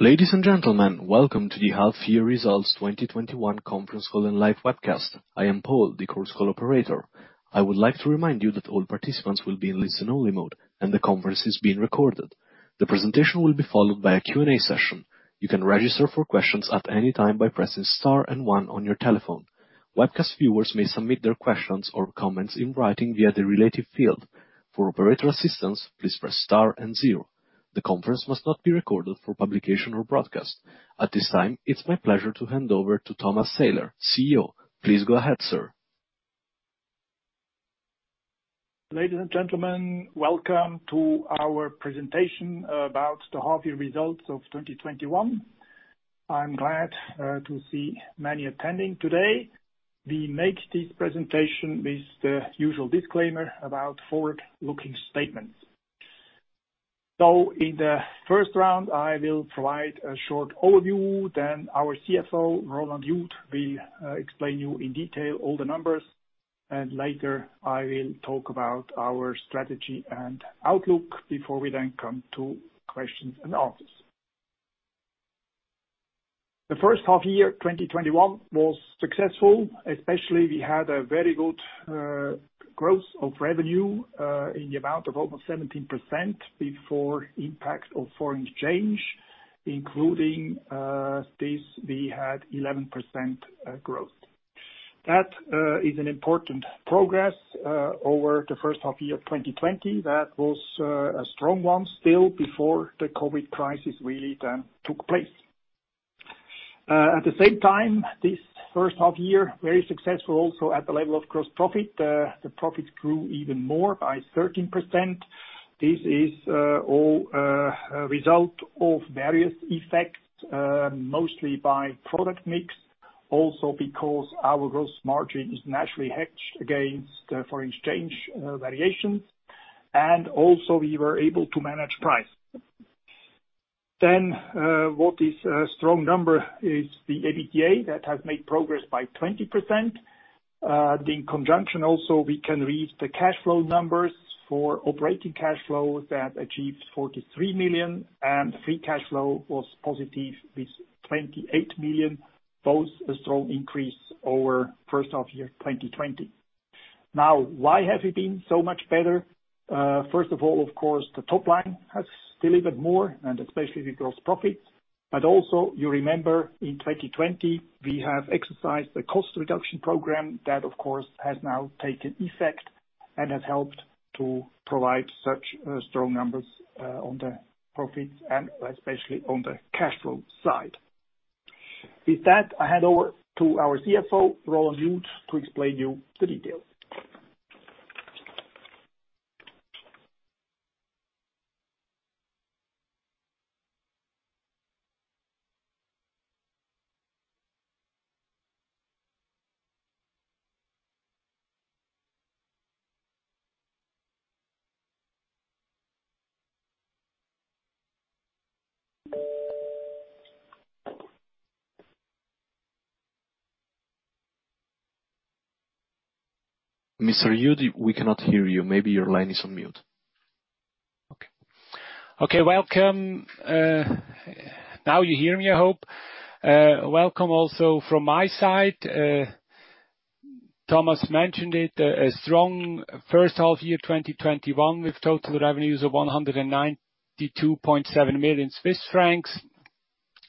Ladies and gentlemen, welcome to the Half Year Results 2021 Conference Call and Live Webcast. I am Paul, the Chorus Call operator. I would like to remind you that all participants will be in listen only mode, and the conference is being recorded. The presentation will be followed by a Q&A session. You can register for questions at any time by pressing star and one on your telephone. Webcast viewers may submit their questions or comments in writing via the related field. For operator assistance, please press star and zero. The conference must not be recorded for publication or broadcast. At this time, it's my pleasure to hand over to Thomas Seiler, CEO. Please go ahead, sir. Ladies and gentlemen, welcome to our presentation about the half year results of 2021. I'm glad to see many attending today. We make this presentation with the usual disclaimer about forward-looking statements. In the first round, I will provide a short overview. Our CFO, Roland Jud, will explain you in detail all the numbers, and later I will talk about our strategy and outlook before we then come to questions and answers. The first half year 2021 was successful, especially we had a very good growth of revenue, in the amount of over 17% before impact of foreign exchange, including this, we had 11% growth. That is an important progress over the first half year of 2020. That was a strong one still before the COVID crisis really then took place. At the same time, this first half year very successful also at the level of gross profit. The profits grew even more by 13%. This is all a result of various effects, mostly by product mix, also because our gross margin is naturally hedged against the foreign exchange variations, and also we were able to manage price. What is a strong number is the EBITDA that has made progress by 20%. In conjunction also, we can read the cash flow numbers for operating cash flow that achieved $43 million, and free cash flow was positive with $28 million, both a strong increase over first half-year, 2020. Why has it been so much better? First of all, of course, the top line has delivered more and especially the gross profits. Also, you remember in 2020, we have exercised the cost reduction program that of course, has now taken effect and has helped to provide such strong numbers on the profits and especially on the cash flow side. With that, I hand over to our CFO, Roland Jud, to explain you the details. Mr. Jud, we cannot hear you. Maybe your line is on mute. Okay. Welcome. Now you hear me, I hope. Welcome also from my side. Thomas mentioned it, a strong first half year 2021, with total revenues of 192.7 million Swiss francs.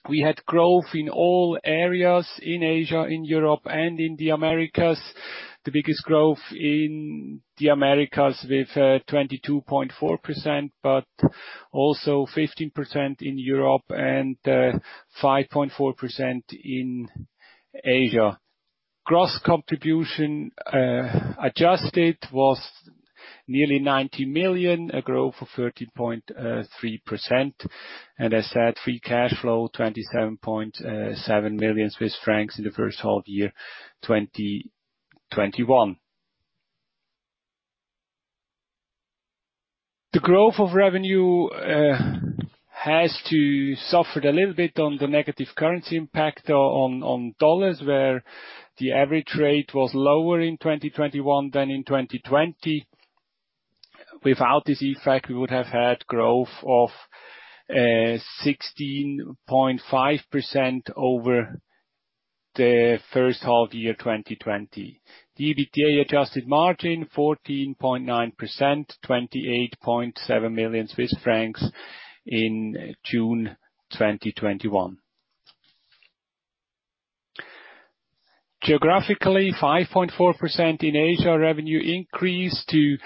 We had growth in all areas in Asia, in Europe, and in the Americas. The biggest growth in the Americas with 22.4%. Also 15% in Europe and 5.4% in Asia. Gross contribution adjusted was nearly 90 million, a growth of 30.3%. As said, free cash flow 27.7 million Swiss francs in the first half year 2021. The growth of revenue has suffered a little bit on the negative currency impact on USD, where the average rate was lower in 2021 than in 2020. Without this effect, we would have had growth of 16.5% over the first half year 2020. The EBITDA adjusted margin 14.9%, 28.7 million Swiss francs in June 2021. Geographically, 5.4% in Asia revenue increased to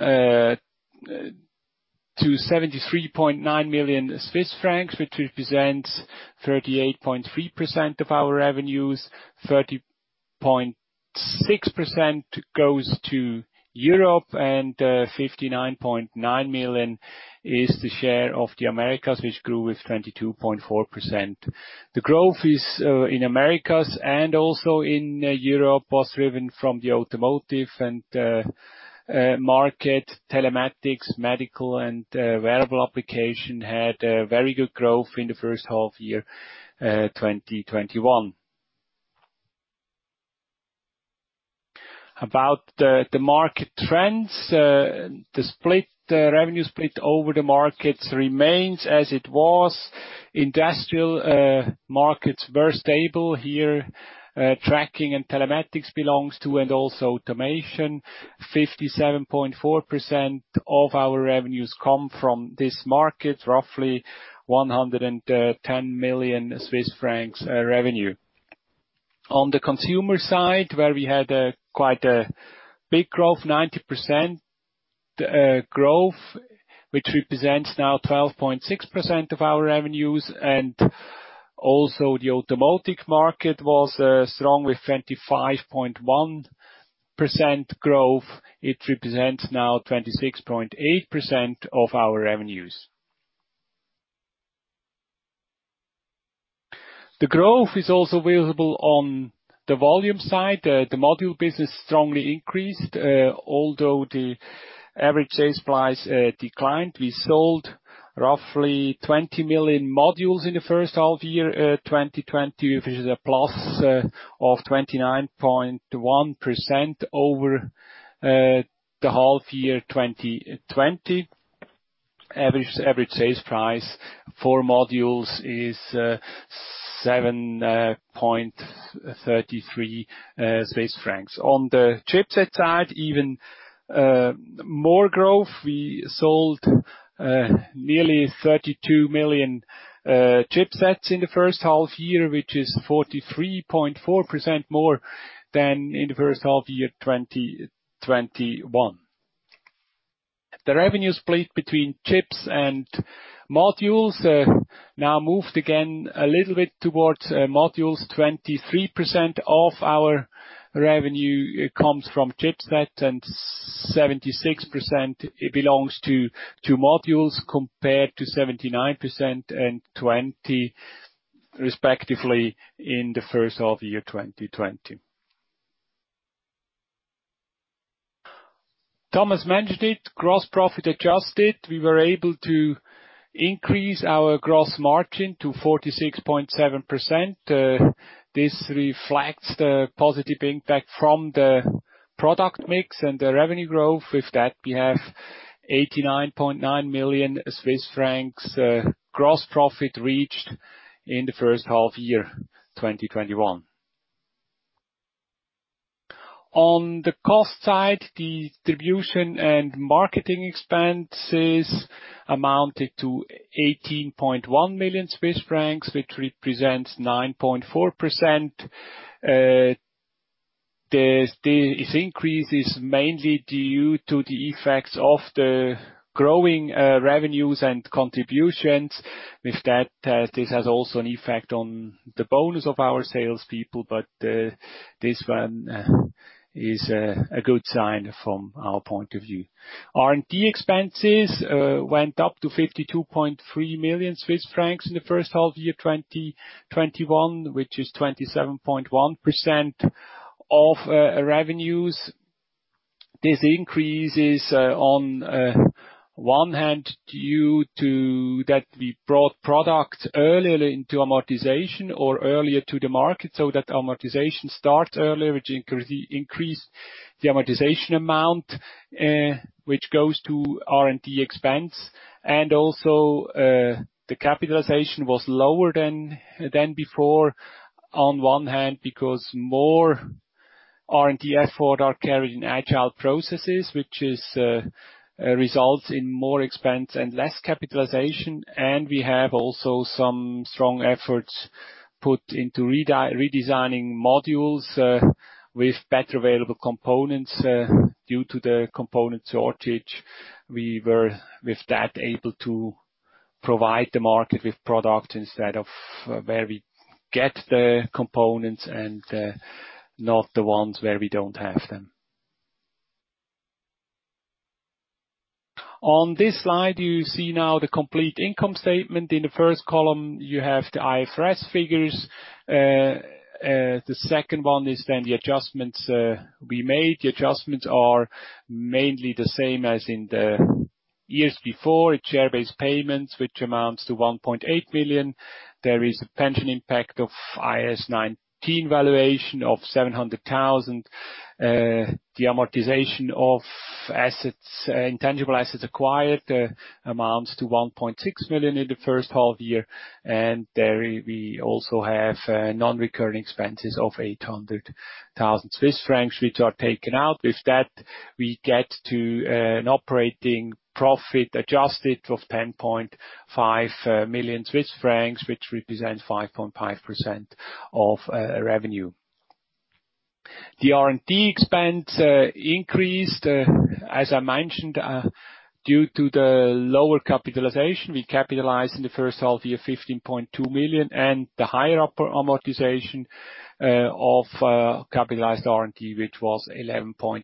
CHF 73.9 million, which represents 38.3% of our revenues. 30.6% goes to Europe, and 59.9 million is the share of the Americas, which grew with 22.4%. The growth in Americas and also in Europe was driven from the automotive and market telematics. Medical and wearable application had a very good growth in the first half year 2021. About the market trends, the revenue split over the markets remains as it was. Industrial markets were stable here, tracking and telematics belongs to, and also automation. 57.4% of our revenues come from this market, roughly 110 million Swiss francs revenue. On the consumer side, where we had quite a big growth, 90% growth, which represents now 12.6% of our revenues. The automotive market was strong with 25.1% growth. It represents now 26.8% of our revenues. The growth is also visible on the volume side. The module business strongly increased, although the average sales price declined. We sold roughly 20 million modules in the first half year 2020, which is a plus of 29.1% over the half year 2020. Average sales price for modules is CHF 7.33. On the chipset side, even more growth. We sold nearly 32 million chipsets in the first half year, which is 43.4% more than in the first half year 2021. The revenue split between chips and modules now moved again a little bit towards modules. 23% of our revenue comes from chipset and 76% belongs to modules, compared to 79% and 20%, respectively, in the first half year 2020. Thomas mentioned it, gross profit adjusted. We were able to increase our gross margin to 46.7%. This reflects the positive impact from the product mix and the revenue growth. With that, we have 89.9 million Swiss francs gross profit reached in the first half year 2021. On the cost side, the distribution and marketing expenses amounted to 18.1 million Swiss francs, which represents 9.4%. This increase is mainly due to the effects of the growing revenues and contributions. With that, this has also an effect on the bonus of our salespeople, but this one is a good sign from our point of view. R&D expenses went up to 52.3 million Swiss francs in the first half year 2021, which is 27.1% of revenues. This increase is, on one hand, due to that we brought product earlier into amortization or earlier to the market so that amortization starts earlier, which increased the amortization amount, which goes to R&D expense. Also, the capitalization was lower than before, on one hand because more R&D effort are carried in agile processes, which results in more expense and less capitalization. We have also some strong efforts put into redesigning modules with better available components due to the component shortage. We were, with that, able to provide the market with product instead of where we get the components and not the ones where we don't have them. On this slide, you see now the complete income statement. In the first column, you have the IFRS figures. The second one is the adjustments we made. The adjustments are mainly the same as in the years before. Share-based payments, which amounts to 1.8 million. There is a pension impact of IAS 19 valuation of 700,000. The amortization of intangible assets acquired amounts to 1.6 million in the first half year. There we also have non-recurring expenses of 800,000 Swiss francs, which are taken out. With that, we get to an operating profit adjusted of 10.5 million Swiss francs, which represents 5.5% of revenue. The R&D expense increased, as I mentioned, due to the lower capitalization. We capitalized in the first half year, 15.2 million, and the higher amortization of capitalized R&D, which was 11.8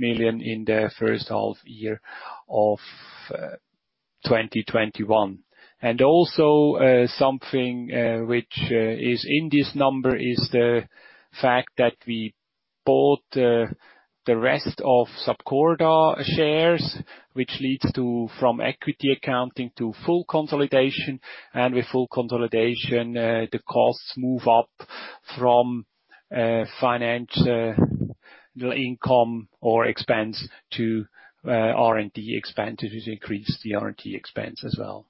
million in the first half year of 2021. Also something which is in this number is the fact that we bought the rest of Sapcorda shares, which leads from equity accounting to full consolidation. With full consolidation, the costs move up from financial income or expense to R&D expense, it has increased the R&D expense as well.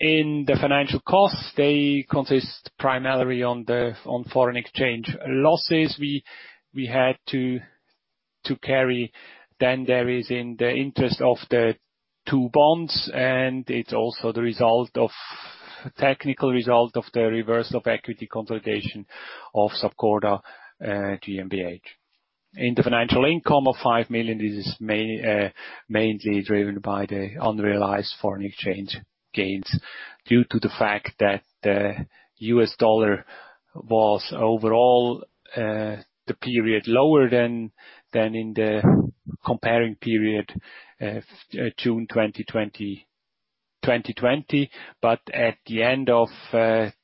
In the financial costs, they consist primarily on foreign exchange losses we had to carry. There is in the interest of the two bonds, and it's also the technical result of the reversal of equity consolidation of Sapcorda Services GmbH. In the financial income of 5 million, this is mainly driven by the unrealized foreign exchange gains due to the fact that the U.S. dollar was overall the period lower than in the comparing period June 2020. At the end of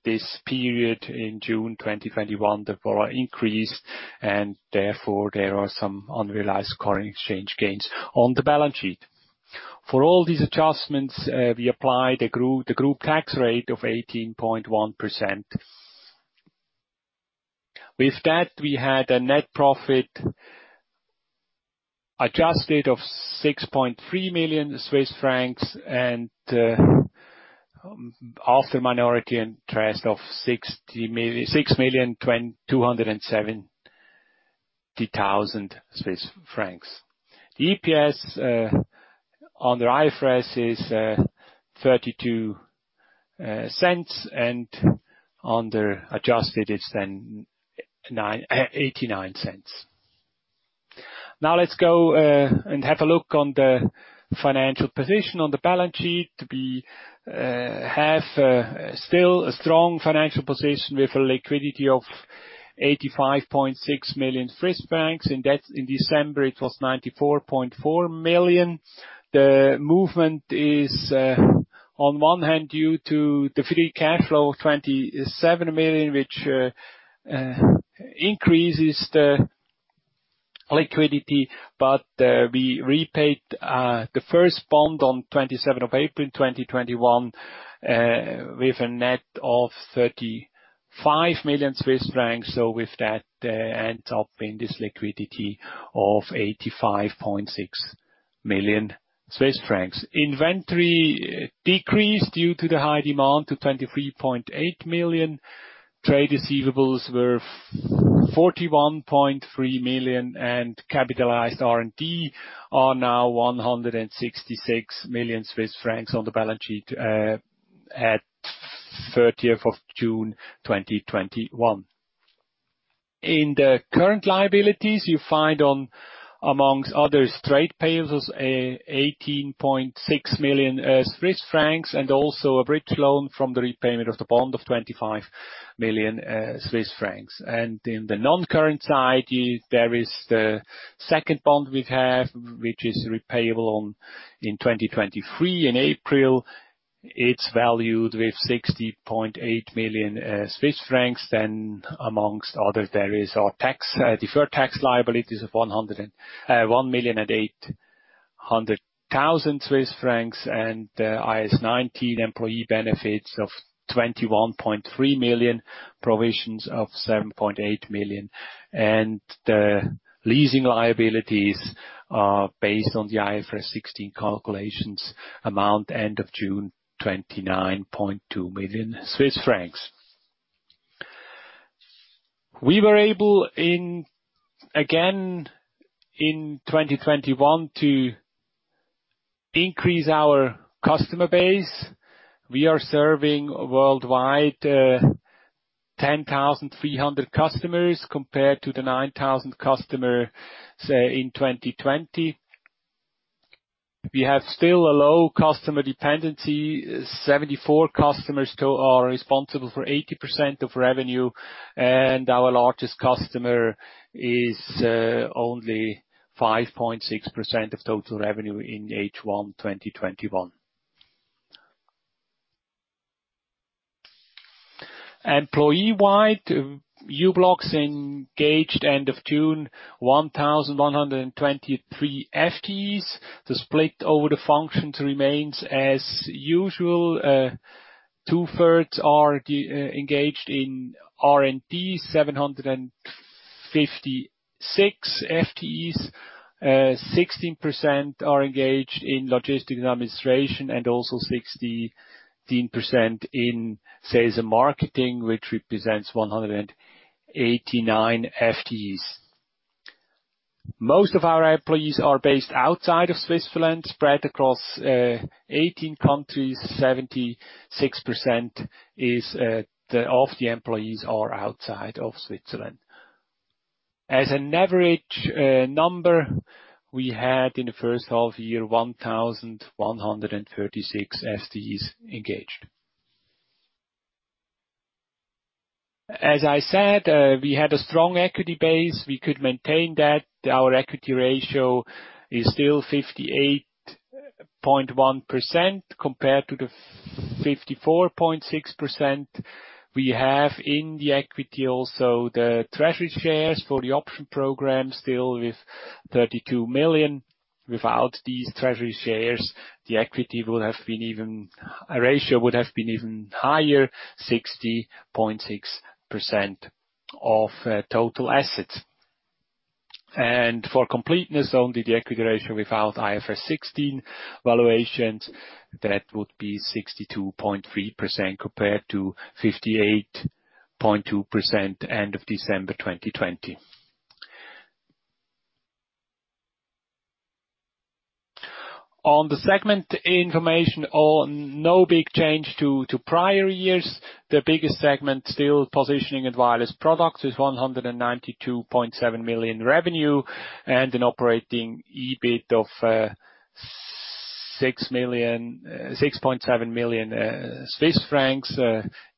this period in June 2021, the dollar increased and therefore there are some unrealized current exchange gains on the balance sheet. For all these adjustments, we applied the group tax rate of 18.1%. With that, we had a net profit adjusted of CHF 6.3 million and after minority interest of 6,270,000 Swiss francs. The EPS on the IFRS is CHF 0.32, and under adjusted it's then 0.89. Let's go and have a look on the financial position on the balance sheet. We have still a strong financial position with a liquidity of 85.6 million Swiss francs, in December it was 94.4 million. The movement is, on one hand, due to the free cash flow of 27 million, which increases the liquidity. We repaid the first bond on 27th of April 2021, with a net of 35 million Swiss francs. With that ends up in this liquidity of 85.6 million Swiss francs. Inventory decreased due to the high demand to 23.8 million. Trade receivables were 41.3 million and capitalized R&D are now 166 million Swiss francs on the balance sheet at 30th of June 2021. In the current liabilities you find amongst others, trade payables, 18.6 million Swiss francs, and also a bridge loan from the repayment of the bond of 25 million Swiss francs. In the non-current side, there is the second bond we have, which is repayable in 2023 in April, it's valued with 60.8 million Swiss francs. Amongst others, there is our deferred tax liabilities of 1.8 million and the IAS 19 employee benefits of 21.3 million, provisions of 7.8 million. The leasing liabilities are based on the IFRS 16 calculations amount end of June 29.2 million Swiss francs. We were able, again in 2021, to increase our customer base. We are serving worldwide 10,300 customers compared to the 9,000 customers in 2020. We have still a low customer dependency. 74 customers are responsible for 80% of revenue, and our largest customer is only 5.6% of total revenue in H1 2021. Employee-wide, u-blox engaged end of June 1,123 FTEs. The split over the functions remains as usual. Two-thirds are engaged in R&D, 756 FTEs, 16% are engaged in logistics and administration, and also 16% in sales and marketing, which represents 189 FTEs. Most of our employees are based outside of Switzerland, spread across 18 countries, 76% of the employees are outside of Switzerland. As an average number, we had in the first half year, 1,136 FTEs engaged. As I said, we had a strong equity base. We could maintain that. Our equity ratio is still 58.1% compared to the 54.6% we have in the equity. The treasury shares for the option program still with 32 million. Without these treasury shares, the equity ratio would have been even higher, 60.6% of total assets. For completeness only, the equity ratio without IFRS 16 valuations, that would be 62.3% compared to 58.2% end of December 2020. On the segment information, no big change to prior years. The biggest segment, still positioning and wireless products with 192.7 million revenue and an operating EBIT of CHF 6.7 million.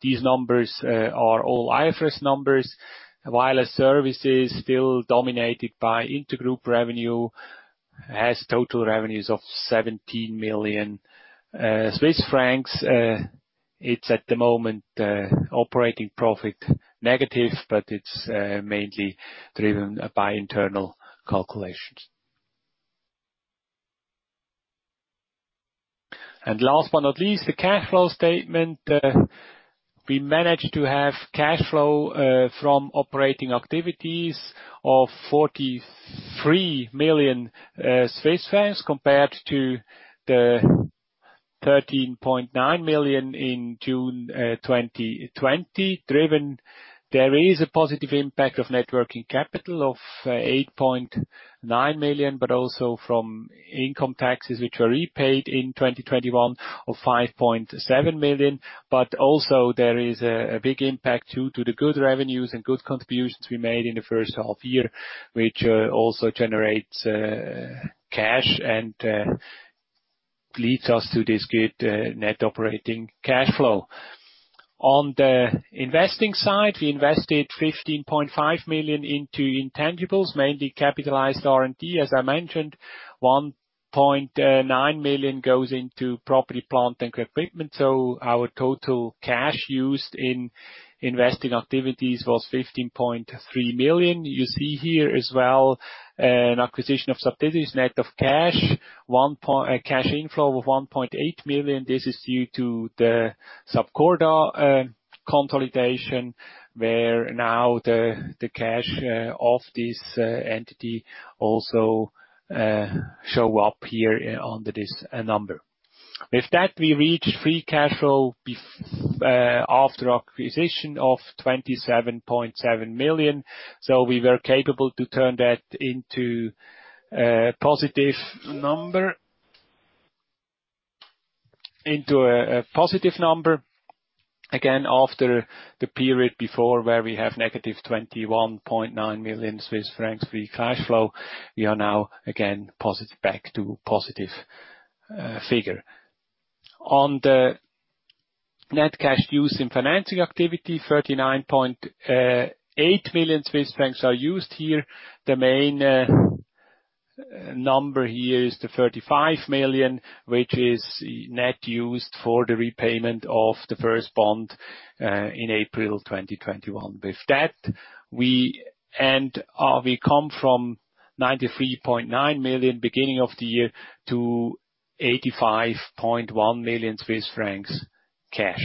These numbers are all IFRS numbers. Wireless services, still dominated by intergroup revenue, has total revenues of 17 million Swiss francs. It's at the moment operating profit negative, but it's mainly driven by internal calculations. Last but not least, the cash flow statement. We managed to have cash flow from operating activities of 43 million compared to the 13.9 million in June 2020. Driven, there is a positive impact of net working capital of 8.9 million, but also from income taxes, which were repaid in 2021 of 5.7 million. Also there is a big impact due to the good revenues and good contributions we made in the first half-year, which also generates cash and leads us to this good net operating cash flow. On the investing side, we invested 15.5 million into intangibles, mainly capitalized R&D. As I mentioned, 1.9 million goes into property, plant, and equipment. Our total cash used in investing activities was 15.3 million. You see here as well an acquisition of subsidiaries net of cash inflow of 1.8 million. This is due to the Sapcorda consolidation, where now the cash of this entity also show up here under this number. With that, we reach free cash flow after acquisition of 27.7 million. We were capable to turn that into a positive number. Again, after the period before where we have negative 21.9 million Swiss francs free cash flow, we are now again back to positive figure. On the net cash used in financing activity, 39.8 million Swiss francs are used here. The main number here is the 35 million, which is net used for the repayment of the first bond, in April 2021. With that, we come from 93.9 million beginning of the year to 85.1 million Swiss francs cash.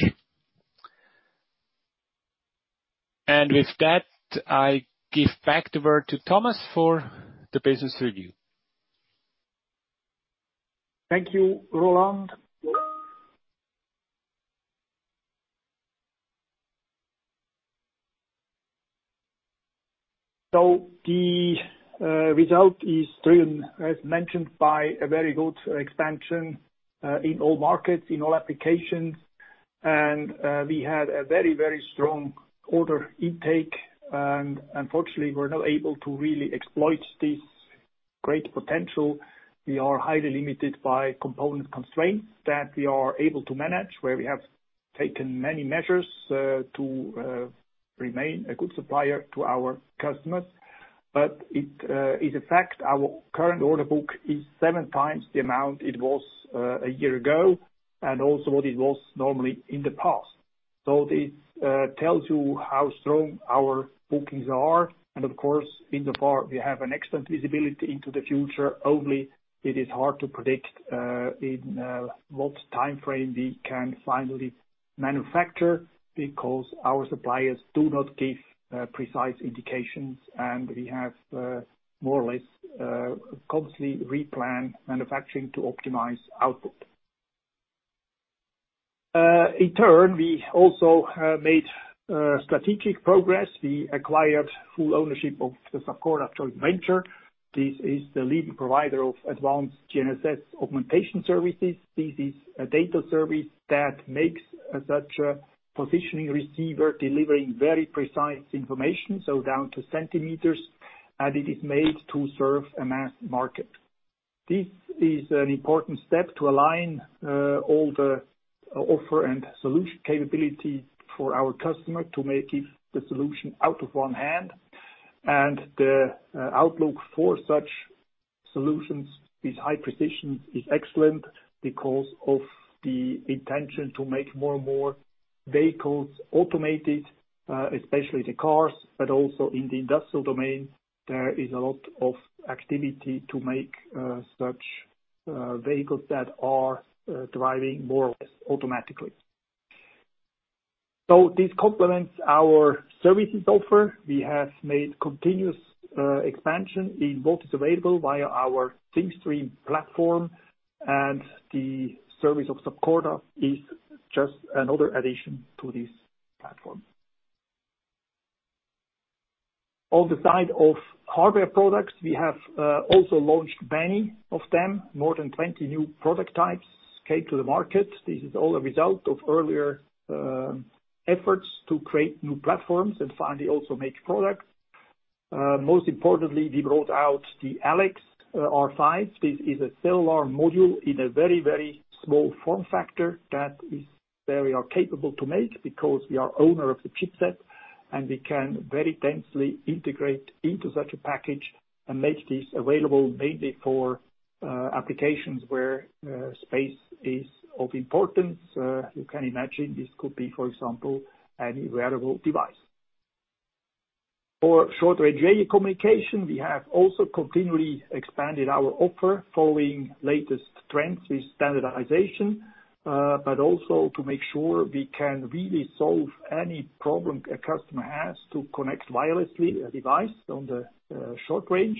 With that, I give back the word to Thomas for the business review. Thank you, Roland. The result is driven, as mentioned, by a very good expansion, in all markets, in all applications. We had a very strong order intake, and unfortunately we're not able to really exploit this great potential. We are highly limited by component constraints that we are able to manage, where we have taken many measures to remain a good supplier to our customers. It is a fact our current order book is seven times the amount it was a year ago, and also what it was normally in the past. This tells you how strong our bookings are. Of course, in the past, we have an excellent visibility into the future. It is hard to predict in what time frame we can finally manufacture, because our suppliers do not give precise indications, and we have more or less constantly replan manufacturing to optimize output. In turn, we also have made strategic progress. We acquired full ownership of the Sapcorda joint venture. This is the leading provider of advanced GNSS augmentation services. This is a data service that makes such a positioning receiver delivering very precise information, so down to centimeters, and it is made to serve a mass market. This is an important step to align all the offer and solution capability for our customer to make the solution out of one hand. The outlook for such solutions is high precision, is excellent because of the intention to make more and more vehicles automated, especially the cars, but also in the industrial domain, there is a lot of activity to make such vehicles that are driving more or less automatically. This complements our services offer. We have made continuous expansion in what is available via our Thingstream platform, and the service of Sapcorda is just another addition to this platform. On the side of hardware products, we have also launched many of them. More than 20 new product types came to the market. This is all a result of earlier efforts to create new platforms and finally also make products. Most importantly, we brought out the ALEX-R5. This is a cellular module in a very, very small form factor that we are capable to make because we are owner of the chipset, and we can very densely integrate into such a package and make this available mainly for applications where space is of importance. You can imagine this could be, for example, any wearable device. For short-range radio communication, we have also continually expanded our offer following latest trends with standardization, but also to make sure we can really solve any problem a customer has to connect wirelessly a device on the short range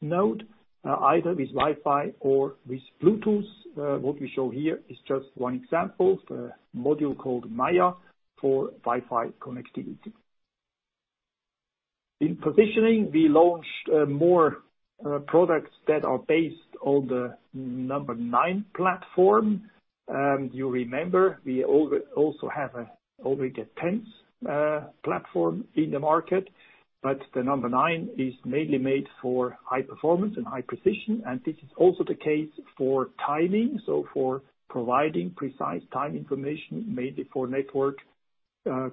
node, either with Wi-Fi or with Bluetooth. What we show here is just one example. The module called MAYA for Wi-Fi connectivity. In positioning, we launched more products that are based on the u-blox M9 platform. You remember, we also have already a u-blox M10 platform in the market, but the u-blox M9 platform is mainly made for high performance and high precision, and this is also the case for timing. For providing precise time information mainly for network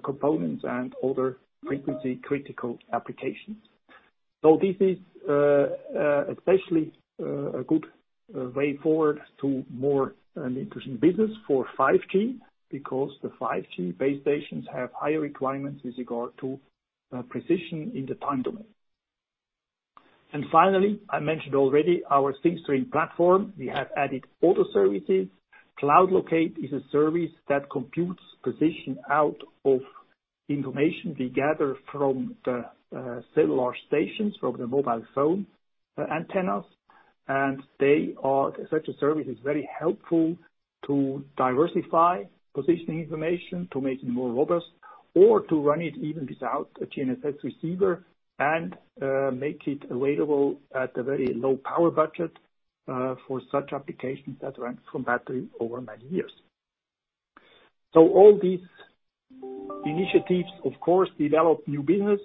components and other frequency-critical applications. This is especially a good way forward to more an interesting business for 5G because the 5G base stations have higher requirements with regard to precision in the time domain. Finally, I mentioned already our Thingstream platform. We have added auto services. CloudLocate is a service that computes position out of information we gather from the cellular stations, from the mobile phone antennas, and such a service is very helpful to diversify positioning information to make it more robust, or to run it even without a GNSS receiver and make it available at a very low power budget for such applications that run from battery over many years. All these initiatives, of course, develop new business,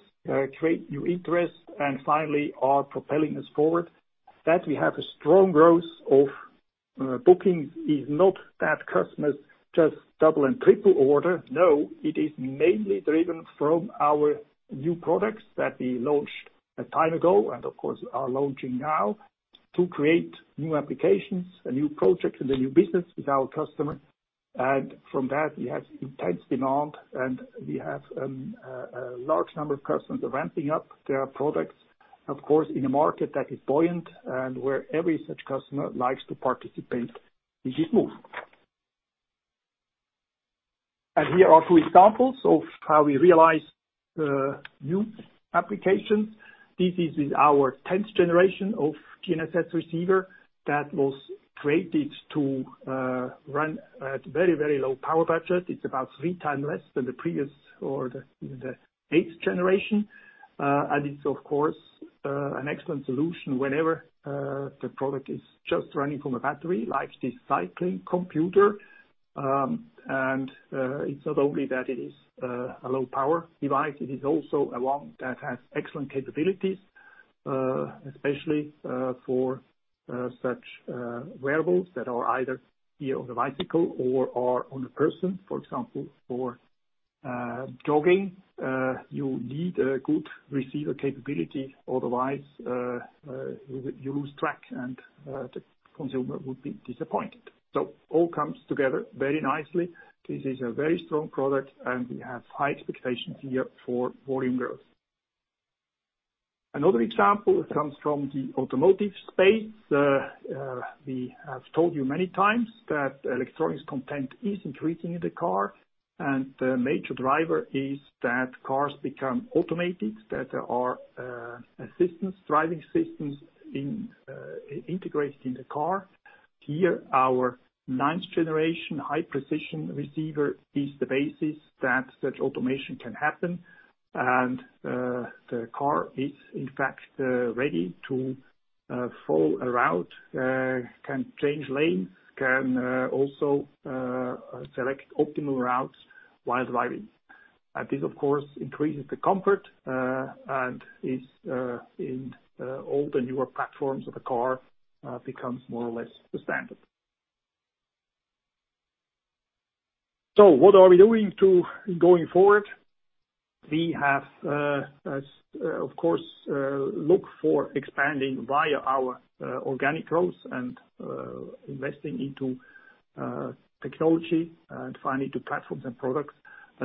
create new interest, and finally are propelling us forward. That we have a strong growth of bookings is not that customers just double and triple order. No, it is mainly driven from our new products that we launched a time ago and of course are launching now to create new applications and new projects and a new business with our customer. From that we have intense demand and we have a large number of customers ramping up their products, of course, in a market that is buoyant and where every such customer likes to participate in this move. Here are two examples of how we realize new applications. This is our 10th generation of GNSS receiver that was created to run at very, very low power budget. It's about three times less than the previous or the eighth generation. It's of course, an excellent solution whenever the product is just running from a battery like this cycling computer. It's not only that it is a low power device, it is also one that has excellent capabilities, especially for such wearables that are either here on the bicycle or are on a person, for example, for jogging. You need a good receiver capability, otherwise you lose track and the consumer would be disappointed. It all comes together very nicely. This is a very strong product and we have high expectations here for volume growth. Another example comes from the automotive space. We have told you many times that electronics content is increasing in the car and the major driver is that cars become automated, that there are assistance driving systems integrated in the car. Here our ninth generation high precision receiver is the basis that such automation can happen and the car is in fact ready to follow a route, can change lanes, can also select optimal routes while driving. This of course increases the comfort and in all the newer platforms of the car becomes more or less the standard. What are we doing going forward? We have, of course, look for expanding via our organic growth and investing into technology and finally to platforms and products.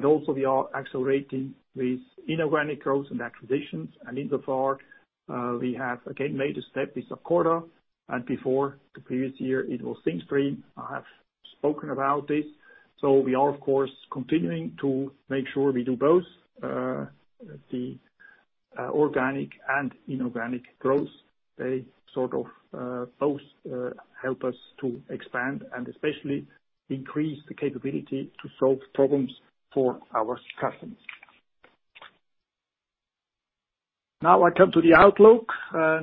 Also we are accelerating with inorganic growth and acquisitions. In so far, we have again made a step with Sapcorda and before, the previous year it was Thingstream. I have spoken about this. We are, of course, continuing to make sure we do both, the organic and inorganic growth. They sort of both help us to expand and especially increase the capability to solve problems for our customers. Now I come to the outlook.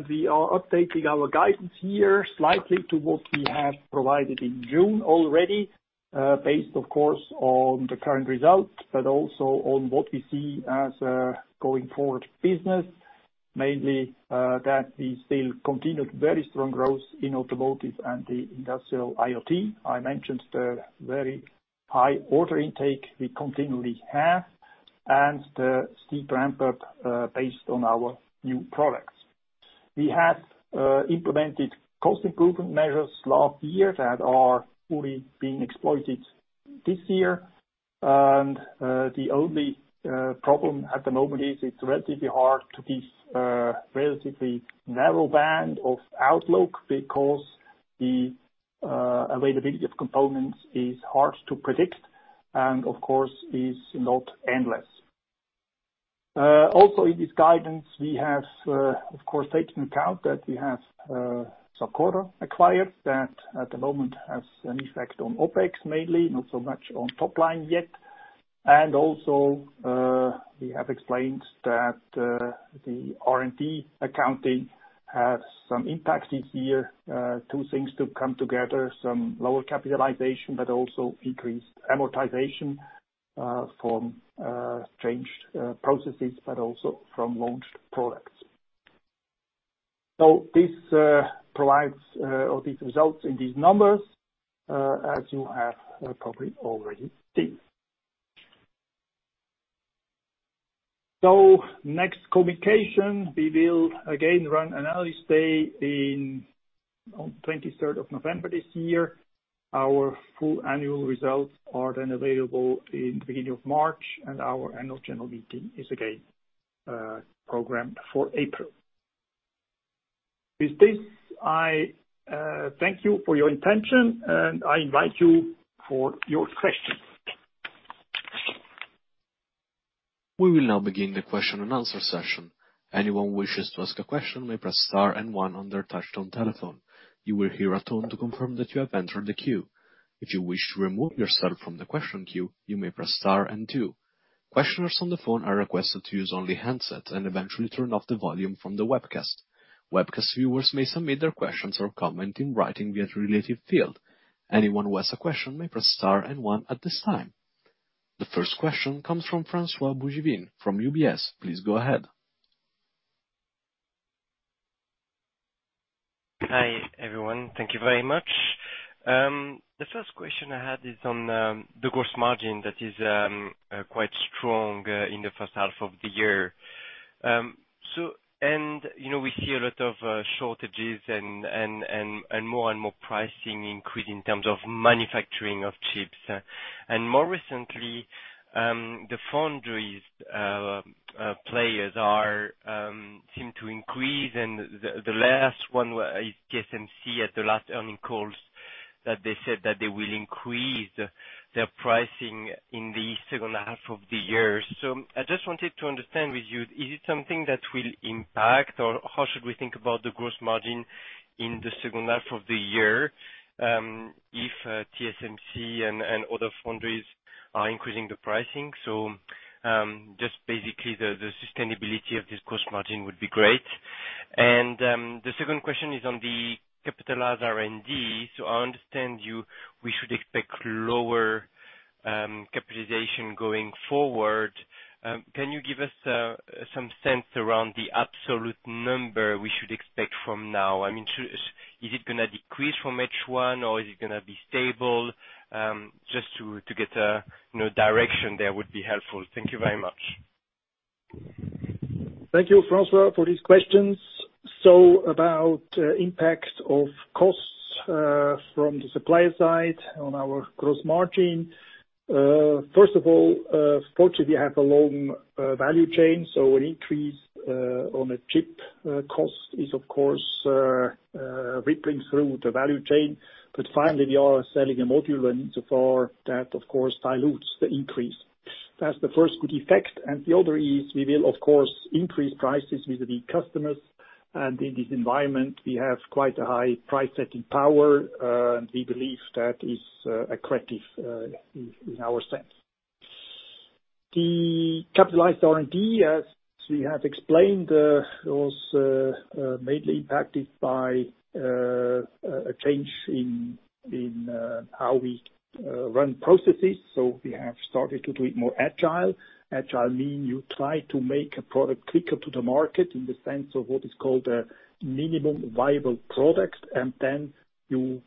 We are updating our guidance here slightly to what we have provided in June already, based of course, on the current results, but also on what we see as a going forward business, mainly, that we still continued very strong growth in automotive and the industrial IoT. I mentioned the very high order intake we continually have and the steep ramp-up based on our new products. We have implemented cost improvement measures last year that are fully being exploited this year. The only problem at the moment is it's relatively hard to give relatively narrow band of outlook because the availability of components is hard to predict and of course is not endless. In this guidance, we have, of course, taken account that we have Sapcorda acquired that at the moment has an effect on OpEx mainly, not so much on top line yet. We have explained that the R&D accounting has some impact this year. Two things to come together, some lower capitalization, but also increased amortization from changed processes, but also from launched products. This provides all these results in these numbers, as you have probably already seen. Next communication, we will again run analyst day on 23rd of November this year. Our full annual results are available in the beginning of March, and our annual general meeting is again programmed for April. With this, I thank you for your attention, and I invite you for your questions. We will now begin the question and answer session anyone who wishes to ask a question may press star and one on the touchtone telephone you will hear a tone to confirm that you have entered the queue. If you wish to remove yourself from the question queue, if you wish to remove yourself from the question queue you may press star and two questions from the phone are requested to use only handset and turn off the volume from the webcast, webcast will ask you to submit your question or your comment in it's relative field. Anyone who has a question may press star ant then one at this time. The first question comes from Francois Bouvignies from UBS. Please go ahead. Hi, everyone. Thank you very much. The first question I had is on the gross margin that is quite strong in the first half of the year. We see a lot of shortages and more and more pricing increase in terms of manufacturing of chips. More recently, the foundries players seem to increase and the last one is TSMC at the last earnings calls that they said that they will increase their pricing in the second half of the year. I just wanted to understand with you, is it something that will impact or how should we think about the gross margin in the second half of the year, if TSMC and other foundries are increasing the pricing? Just basically the sustainability of this gross margin would be great. The second question is on the capitalized R&D. I understand you, we should expect lower capitalization going forward. Can you give us some sense around the absolute number we should expect from now? I mean, is it going to decrease from H1 or is it going to be stable? Just to get a direction there would be helpful. Thank you very much. Thank you, Francois, for these questions. About impact of costs from the supplier side on our gross margin. First of all, fortunately we have a long value chain, an increase on a chip cost is of course rippling through the value chain. Finally, we are selling a module and in so far that of course dilutes the increase. That is the first good effect. The other is we will of course increase prices with the customers. In this environment we have quite a high price setting power, and we believe that is accretive in our sense. The capitalized R&D, as we have explained, was mainly impacted by a change in how we run processes. We have started to do it more agile. Agile mean you try to make a product quicker to the market in the sense of what is called a minimum viable product, and then you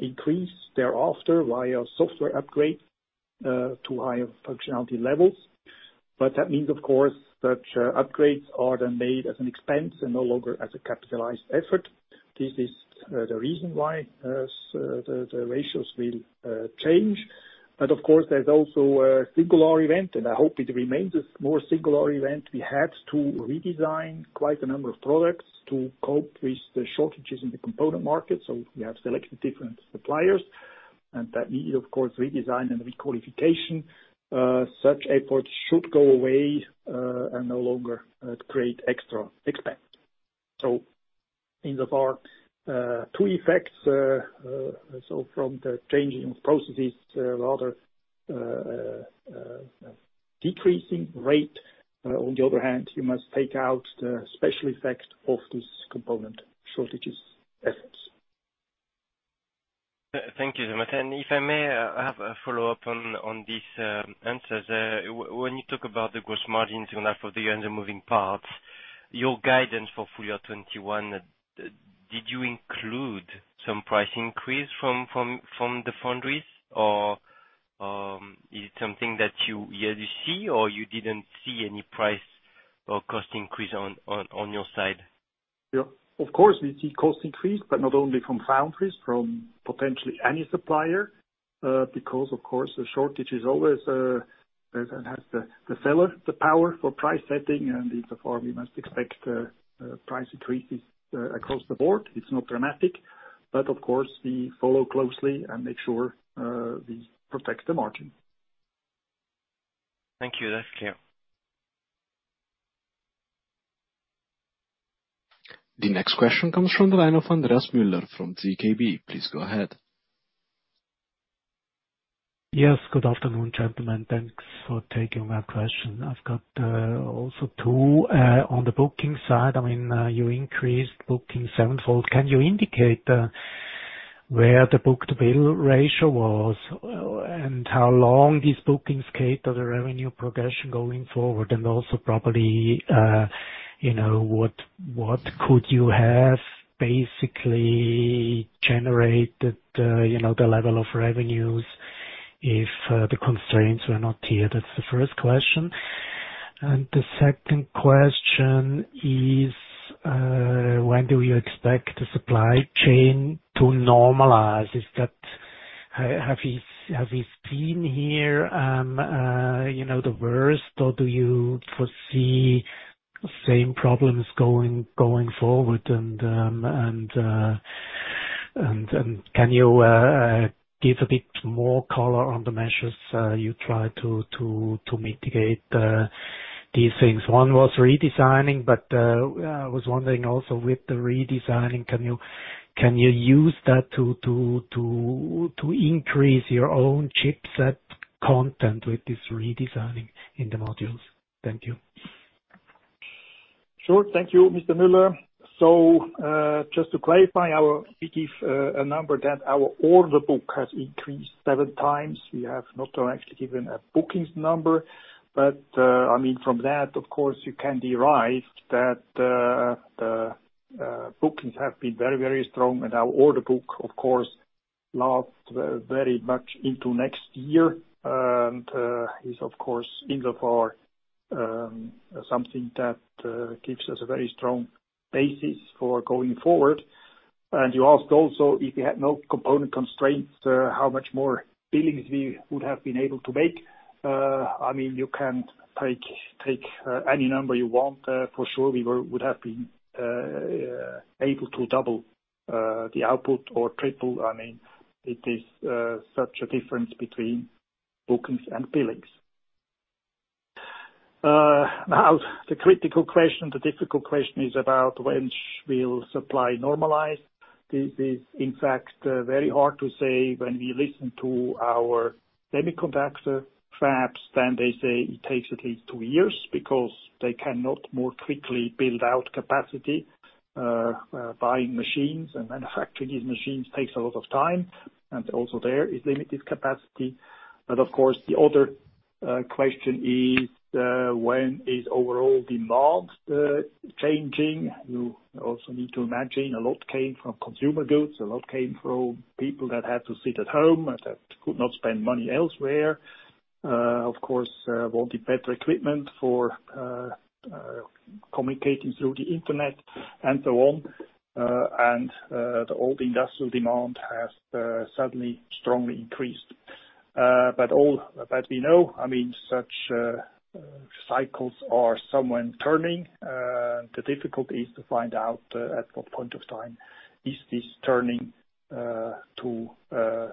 increase thereafter via software upgrades to higher functionality levels. That means, of course, such upgrades are then made as an expense and no longer as a capitalized effort. This is the reason why the ratios will change. Of course, there's also a singular event, and I hope it remains a more singular event. We had to redesign quite a number of products to cope with the shortages in the component market, so we have selected different suppliers. That needed, of course, redesign and requalification. Such efforts should go away and no longer create extra expense. In so far, two effects. From the changing of processes, rather decreasing rate. On the other hand, you must take out the special effect of this component shortages efforts. Thank you so much. If I may, I have a follow-up on this answer. When you talk about the gross margins for the end moving parts, your guidance for full year 2021, did you include some price increase from the foundries? Is it something that you hardly see, or you didn't see any price or cost increase on your side? Of course, we see cost increase, but not only from foundries, from potentially any supplier. Because, of course, the shortage has the seller, the power for price setting, and therefore we must expect price increases across the board. It is not dramatic, but of course, we follow closely and make sure we protect the margin. Thank you. That's clear. The next question comes from the line of Andreas Müller from ZKB. Please go ahead. Yes. Good afternoon, gentlemen. Thanks for taking my question. I've got also two. On the booking side, you increased booking sevenfold. Can you indicate where the book-to-bill ratio was, and how long these bookings cater the revenue progression going forward? Also probably, what could you have basically generated, the level of revenues, if the constraints were not here? That's the first question. The second question is, when do you expect the supply chain to normalize? Have we seen here the worst, or do you foresee same problems going forward? Can you give a bit more color on the measures you try to mitigate these things? One was redesigning, but I was wondering also with the redesigning, can you use that to increase your own chipset content with this redesigning in the modules? Thank you. Sure. Thank you, Mr. Müller. Just to clarify, we give a number that our order book has increased seven times. We have not actually given a bookings number. From that, of course, you can derive that the bookings have been very strong and our order book, of course, last very much into next year. Is of course, in so far, something that gives us a very strong basis for going forward. You asked also if you had no component constraints, how much more billings we would have been able to make. You can take any number you want. For sure, we would have been able to double the output or triple. It is such a difference between bookings and billings. The critical question, the difficult question is about when will supply normalize. This is in fact very hard to say when we listen to our semiconductor fabs, then they say it takes at least two years because they cannot more quickly build out capacity. Buying machines and manufacturing these machines takes a lot of time, and also there is limited capacity. Of course, the other question is, when is overall demand changing? You also need to imagine a lot came from consumer goods, a lot came from people that had to sit at home and that could not spend money elsewhere. Of course, wanted better equipment for communicating through the internet and so on. The old industrial demand has suddenly strongly increased. We know such cycles are somewhat turning. The difficulty is to find out at what point of time is this turning to a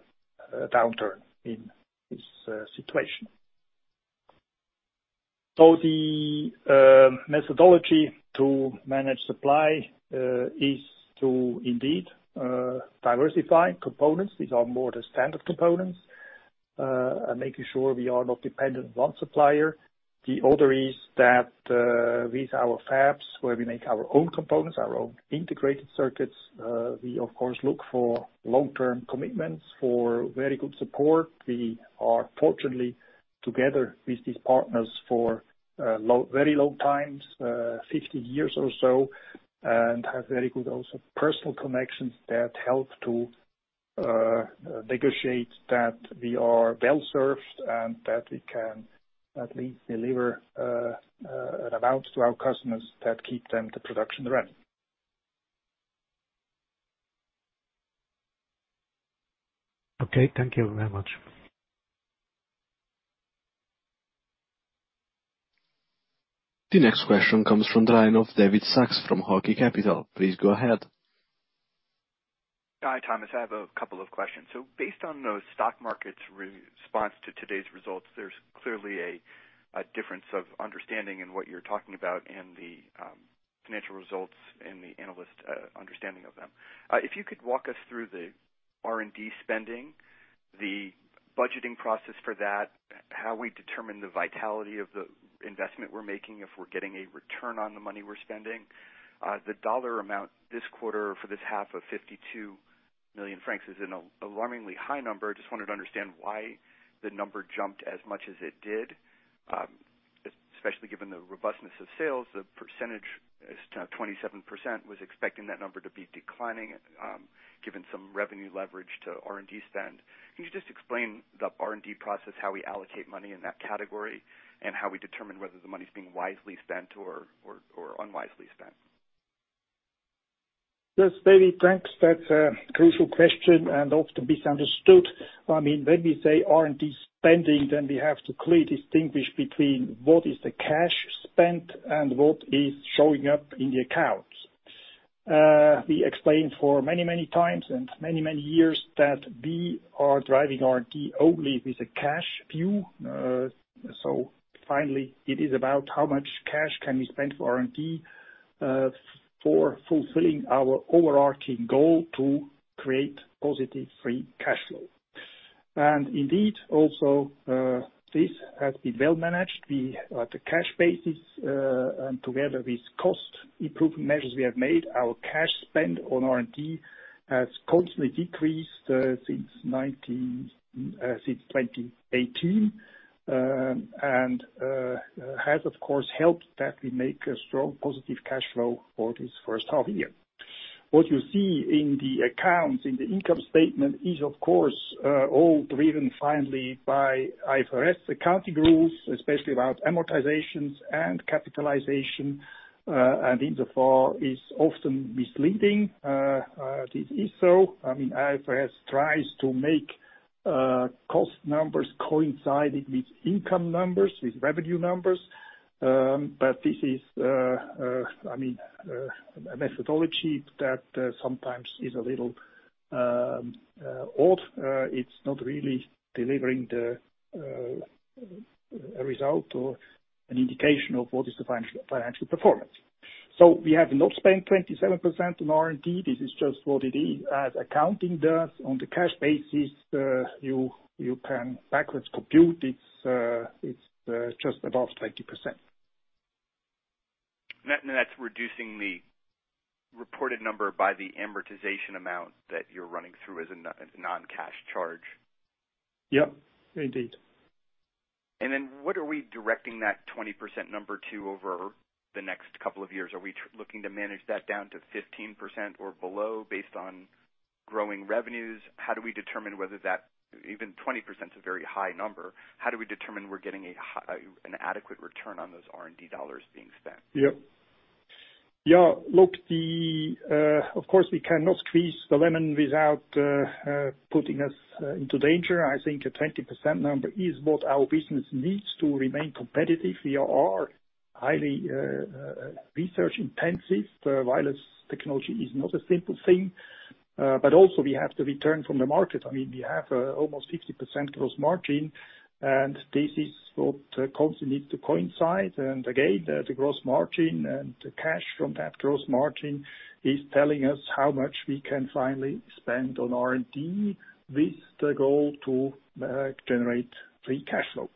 downturn in this situation. The methodology to manage supply is to indeed diversify components. These are more the standard components, making sure we are not dependent on one supplier. The other is that with our fabs where we make our own components, our own integrated circuits, we of course look for long-term commitments for very good support. We are fortunately together with these partners for very long times, 15 years or so, and have very good also personal connections that help to negotiate that we are well-served and that we can at least deliver an amount to our customers that keep them the production running. Okay. Thank you very much. The next question comes from the line of David Sachs from Hocky Capital.. Please go ahead. Hi, Thomas. I have a couple of questions. Based on those stock markets response to today's results, there's clearly a difference of understanding in what you're talking about in the financial results and the analyst understanding of them. If you could walk us through the R&D spending, the budgeting process for that, how we determine the vitality of the investment we're making, if we're getting a return on the money we're spending. The dollar amount this quarter for this half of 52 million francs is an alarmingly high number. Just wanted to understand why the number jumped as much as it did, especially given the robustness of sales. The percentage is now 27%, was expecting that number to be declining, given some revenue leverage to R&D spend. Can you just explain the R&D process, how we allocate money in that category, and how we determine whether the money's being wisely spent or unwisely spent? Yes. David, thanks. That's a crucial question and often misunderstood. When we say R&D spending, we have to clearly distinguish between what is the cash spent and what is showing up in the accounts. We explained for many, many times and many, many years that we are driving R&D only with a cash view. Finally it is about how much cash can we spend for R&D, for fulfilling our overarching goal to create positive free cash flow. Indeed, also, this has been well managed. The cash basis, together with cost improvement measures we have made, our cash spend on R&D has constantly decreased since 2018. Has, of course, helped that we make a strong positive cash flow for this first half year. What you see in the accounts, in the income statement is, of course, all driven finally by IFRS accounting rules, especially about amortizations and capitalization, and insofar is often misleading. This is so. IFRS tries to make cost numbers coincided with income numbers, with revenue numbers. This is a methodology that sometimes is a little odd. It's not really delivering the result or an indication of what is the financial performance. We have not spent 27% on R&D. This is just what it is as accounting does. On the cash basis, you can backwards compute. It's just above 20%. That's reducing the reported number by the amortization amount that you're running through as a non-cash charge? Yep, indeed. What are we directing that 20% number to over the next couple of years? Are we looking to manage that down to 15% or below based on growing revenues? How do we determine whether Even 20% is a very high number. How do we determine we're getting an adequate return on those R&D dollars being spent? Yep. Yeah, look, of course, we cannot squeeze the lemon without putting us into danger. I think a 20% number is what our business needs to remain competitive. We are highly research intensive. Wireless technology is not a simple thing. Also we have the return from the market. We have almost 50% gross margin, and this is what constantly needs to coincide. Again, the gross margin and the cash from that gross margin is telling us how much we can finally spend on R&D with the goal to generate free cash flow.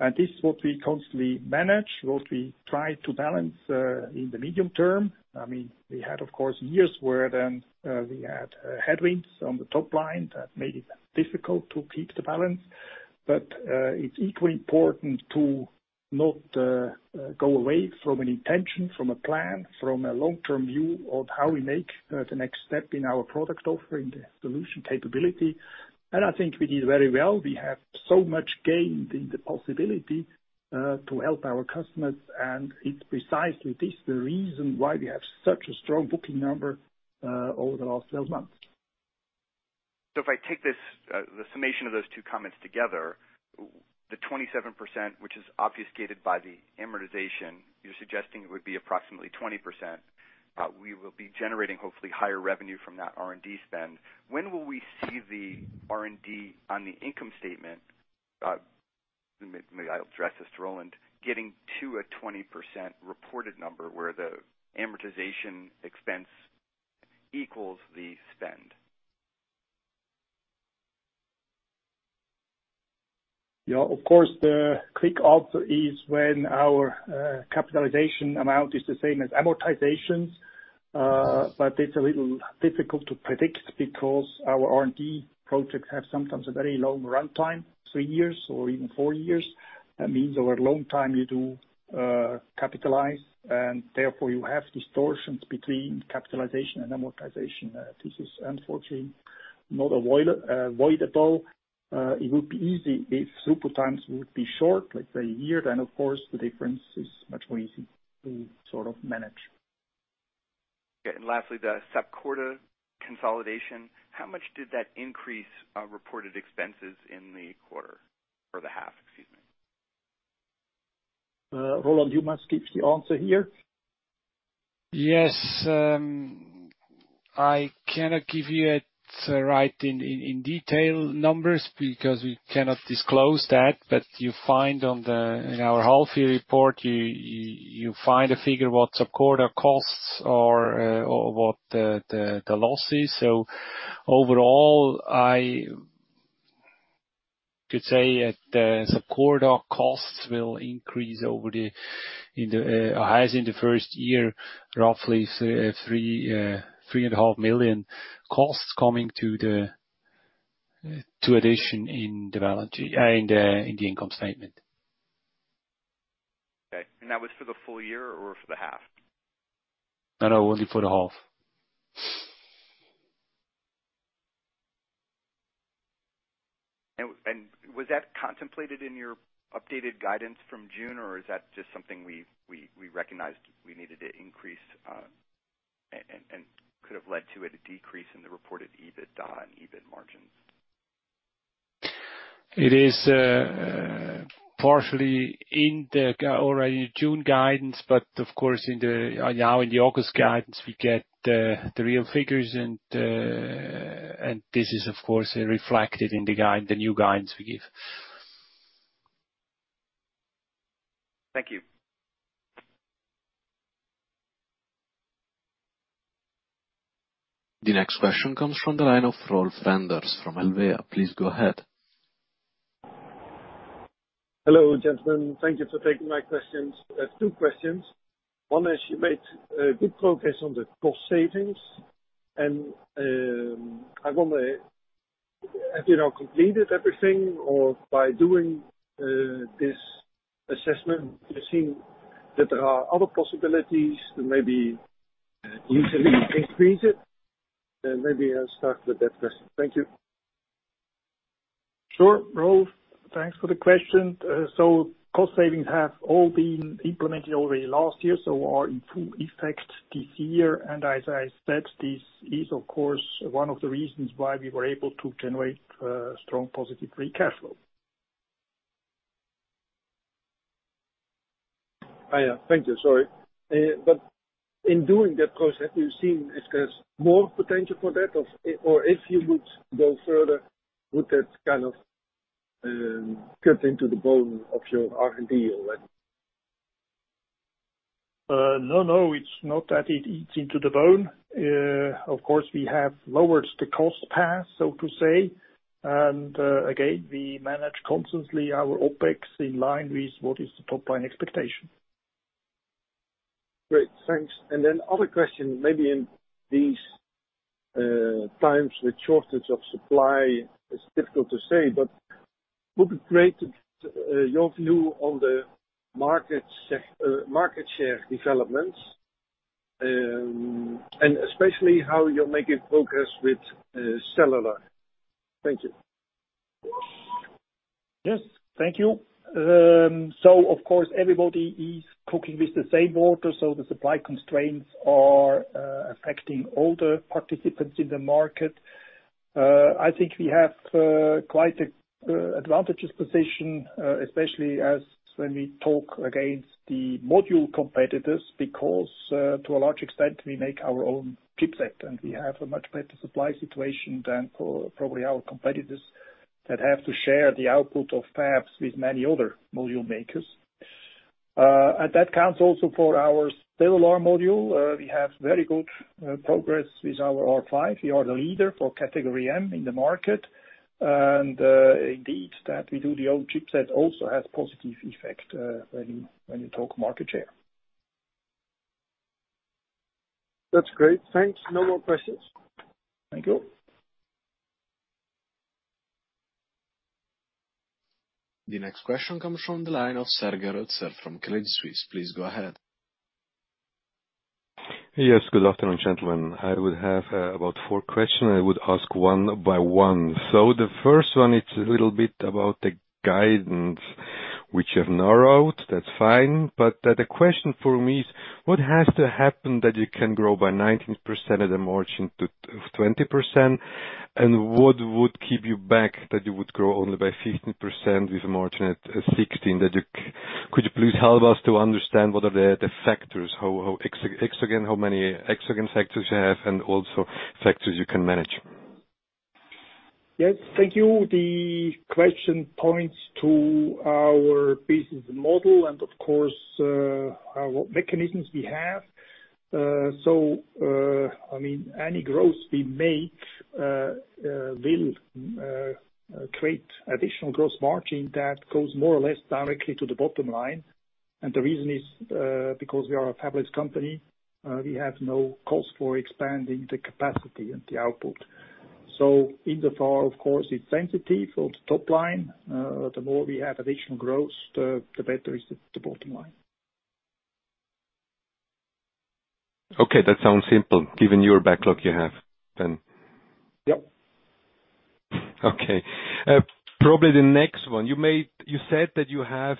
This is what we constantly manage, what we try to balance in the medium term. We had, of course, years where then we had headwinds on the top line that made it difficult to keep the balance. It's equally important to not go away from an intention, from a plan, from a long-term view of how we make the next step in our product offering, the solution capability. I think we did very well. We have so much gain in the possibility to help our customers. It's precisely this the reason why we have such a strong booking number over the last 12 months. If I take the summation of those two comments together, the 27%, which is obfuscated by the amortization, you're suggesting it would be approximately 20%. We will be generating, hopefully, higher revenue from that R&D spend. When will we see the R&D on the income statement, maybe I'll address this to Roland, getting to a 20% reported number where the amortization expense equals the spend? Yeah, of course, the click also is when our capitalization amount is the same as amortizations. It's a little difficult to predict because our R&D projects have sometimes a very long runtime, three years or even four years. That means over a long time you do capitalize, and therefore you have distortions between capitalization and amortization. This is unfortunately not avoidable. It would be easy if throughput times would be short, like a year, then of course the difference is much more easy to sort of manage. Okay. Lastly, the Sapcorda consolidation. How much did that increase reported expenses in the quarter? The half, excuse me. Roland, you must give the answer here. Yes. I cannot give you it right in detail numbers, because we cannot disclose that. You find in our half year report, you find a figure what Sapcorda costs are or what the loss is. Overall, I could say that the Sapcorda costs will increase as in the first year, roughly three and a half million costs coming to addition in the income statement. Okay. That was for the full year or for the half? No, only for the half. Was that contemplated in your updated guidance from June, or is that just something we recognized we needed to increase, and could have led to a decrease in the reported EBITDA and EBIT margins? It is partially in the already June guidance, but of course now in the August guidance, we get the real figures and this is, of course, reflected in the new guidance we give. Thank you. The next question comes from the line of Rolf Renders from Helvea. Please go ahead. Hello, gentlemen. Thank you for taking my questions. I have two questions. One is, you made good progress on the cost savings, and, I wonder, have you now completed everything or by doing this assessment, you are seeing that there are other possibilities to maybe increase it? Maybe I will start with that question. Thank you. Sure, Rolf. Thanks for the question. Cost savings have all been implemented already last year, so are in full effect this year. As I said, this is of course, one of the reasons why we were able to generate strong positive free cash flow. Thank you, sorry. In doing that process, have you seen if there's more potential for that, or if you would go further, would that kind of cut into the bone of your R&D or what? No, it's not that it eats into the bone. Of course, we have lowered the cost path, so to say. Again, we manage constantly our OpEx in line with what is the top-line expectation. Great, thanks. Another question, maybe in these times with shortage of supply, it's difficult to say, but would be great your view on the market share developments, and especially how you're making progress with cellular. Thank you. Yes. Thank you. Of course, everybody is cooking with the same water, the supply constraints are affecting all the participants in the market. I think we have quite an advantageous position, especially as when we talk against the module competitors because, to a large extent, we make our own chipset and we have a much better supply situation than for probably our competitors that have to share the output of fabs with many other module makers. That counts also for our cellular module. We have very good progress with our R5. We are the leader for category M in the market. Indeed that we do the own chipset also has positive effect, when you talk market share. That's great. Thanks. No more questions. Thank you. The next question comes from the line of Serge Rotzer from Credit Suisse. Please go ahead. Yes, good afternoon, gentlemen. I would have about four questions. I would ask one by one. The first one, it's a little bit about the guidance which has narrowed. That's fine, but the question for me is, what has to happen that you can grow by 19% of the margin to 20%? What would keep you back that you would grow only by 15% with a margin at 16%? Could you please help us to understand what are the factors, how many exogenous factors you have and also factors you can manage? Yes. Thank you. The question points to our business model and of course, our mechanisms we have. Any growth we make will create additional gross margin that goes more or less directly to the bottom line. The reason is, because we are a fabless company, we have no cost for expanding the capacity and the output. In the far, of course, it's sensitive for the top line. The more we have additional growth, the better is the bottom line. Okay, that sounds simple, given your backlog you have then. Yep. Okay. Probably the next one. You said that you have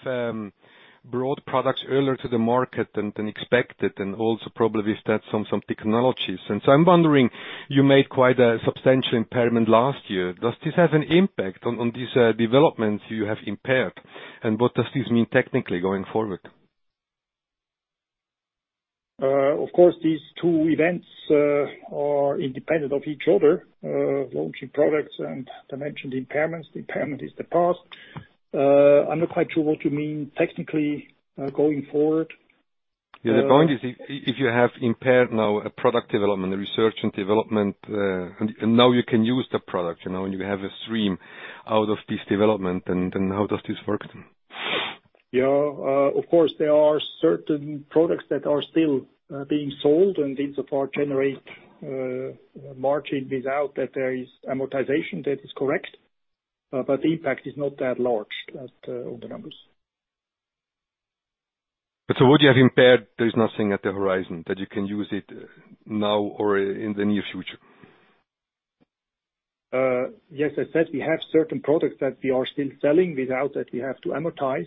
brought products earlier to the market than expected, also probably with that some technologies. I'm wondering, you made quite a substantial impairment last year. Does this have an impact on these developments you have impaired? What does this mean technically going forward? Of course, these two events are independent of each other, launching products and I mentioned impairments. Impairment is the past. I'm not quite sure what you mean technically, going forward. The point is if you have impaired now a product development, a research and development, and now you can use the product, and you have a stream out of this development, then how does this work? Yeah. Of course, there are certain products that are still being sold, and these so far generate margin without that there is amortization. That is correct. The impact is not that large on the numbers. What you have impaired, there's nothing at the horizon that you can use it now or in the near future? Yes, I said we have certain products that we are still selling without that we have to amortize.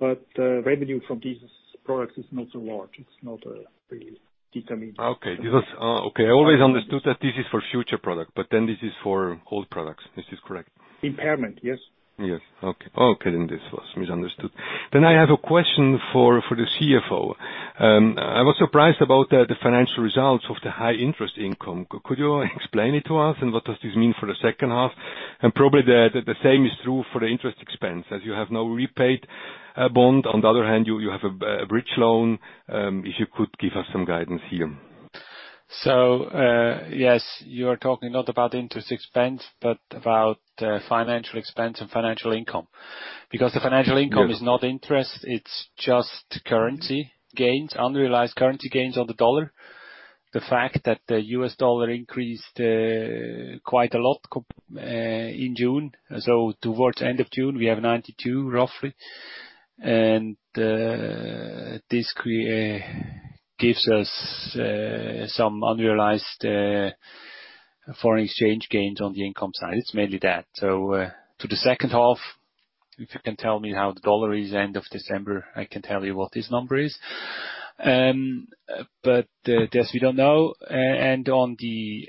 Revenue from these products is not so large. It's not really determining. Okay. I always understood that this is for future product, but then this is for old products. Is this correct? Impairment? Yes. Yes. Okay. This was misunderstood. I have a question for the CFO. I was surprised about the financial results of the high interest income. Could you explain it to us and what does this mean for the second half? Probably the same is true for the interest expense, as you have now repaid a bond. On the other hand, you have a bridge loan. If you could give us some guidance here. Yes, you are talking not about interest expense, but about financial expense and financial income. The financial income is not interest, it's just currency gains, unrealized currency gains on the U.S. dollar, the fact that the U.S. dollar increased quite a lot in June. Towards the end of June, we have 92 roughly, and this gives us some unrealized foreign exchange gains on the income side. It's mainly that. To the second half, if you can tell me how the U.S. dollar is end of December, I can tell you what this number is. That we don't know. On the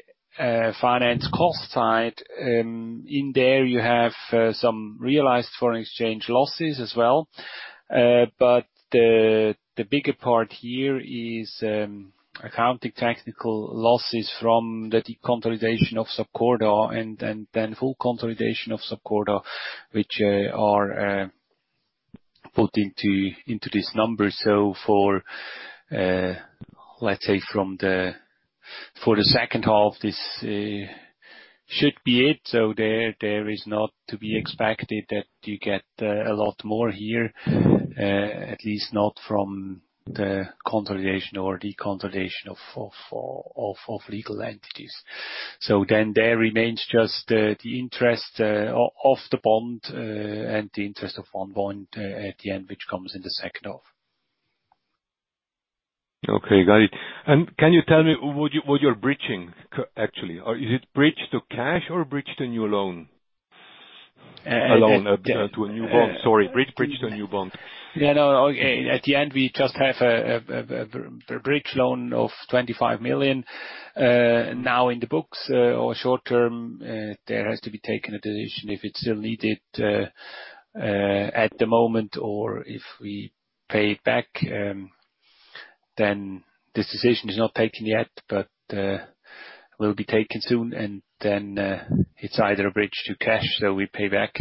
finance cost side, in there you have some realized foreign exchange losses as well. The bigger part here is accounting technical losses from the deconsolidation of Sapcorda and then full consolidation of Sapcorda, which are put into this number. Let's say for the second half, this should be it. There is not to be expected that you get a lot more here, at least not from the consolidation or deconsolidation of legal entities. Then there remains just the interest of the bond, and the interest of one bond at the end, which comes in the second half. Okay, got it. Can you tell me what you're bridging actually? Is it bridge to cash or bridge to new loan? A loan to a new bond, sorry. Bridge to a new bond. Yeah, no. At the end, we just have a bridge loan of 25 million now in the books, or short-term, there has to be taken a decision if it's still needed at the moment or if we pay it back, then this decision is not taken yet, but will be taken soon. It's either a bridge to cash, so we pay back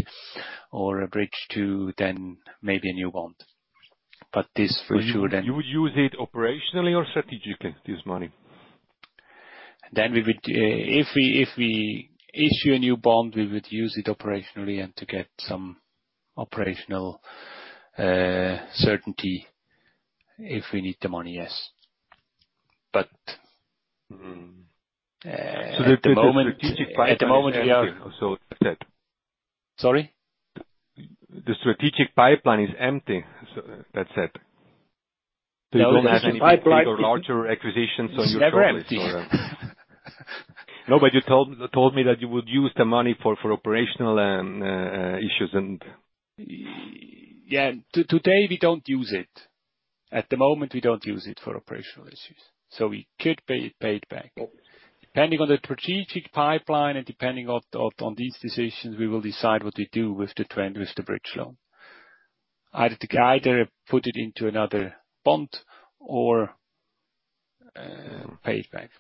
or a bridge to then maybe a new bond. You would use it operationally or strategically, this money? If we issue a new bond, we would use it operationally and to get some operational certainty if we need the money, yes. At the moment we are. The strategic pipeline is empty. Sorry? The strategic pipeline is empty, that's it. No, the strategic pipeline- You don't have any big or larger acquisitions on your toolbox or? No. You told me that you would use the money for operational issues and Today we don't use it. At the moment, we don't use it for operational issues. We could pay it back. Depending on the strategic pipeline and depending on these decisions, we will decide what we do with the bridge loan. Either put it into another bond or pay it back.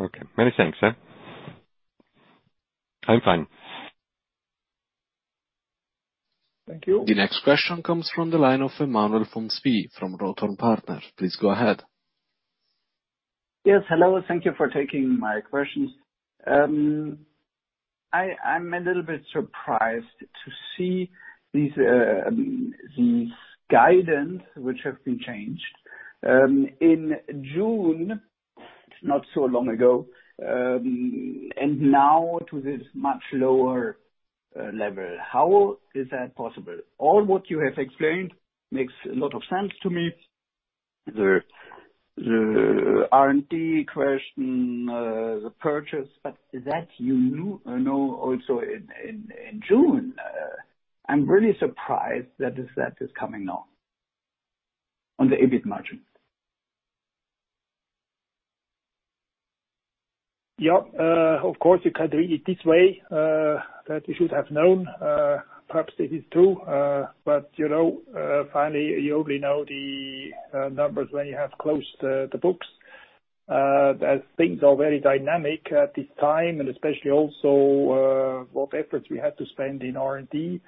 Okay. Many thanks. I'm fine. Thank you. The next question comes from the line of Emanuel Graf von Spee from Rothorn Partners. Please go ahead. Yes. Hello, thank you for taking my questions. I'm a little bit surprised to see these guidance which have been changed. In June, not so long ago, now to this much lower level. How is that possible? All what you have explained makes a lot of sense to me. The R&D question, the purchase, that you knew also in June. I'm really surprised that is coming now on the EBIT margin. Yeah. Of course, you can read it this way, that you should have known. Perhaps it is true. Finally, you only know the numbers when you have closed the books. As things are very dynamic at this time, and especially also what efforts we had to spend in R&D,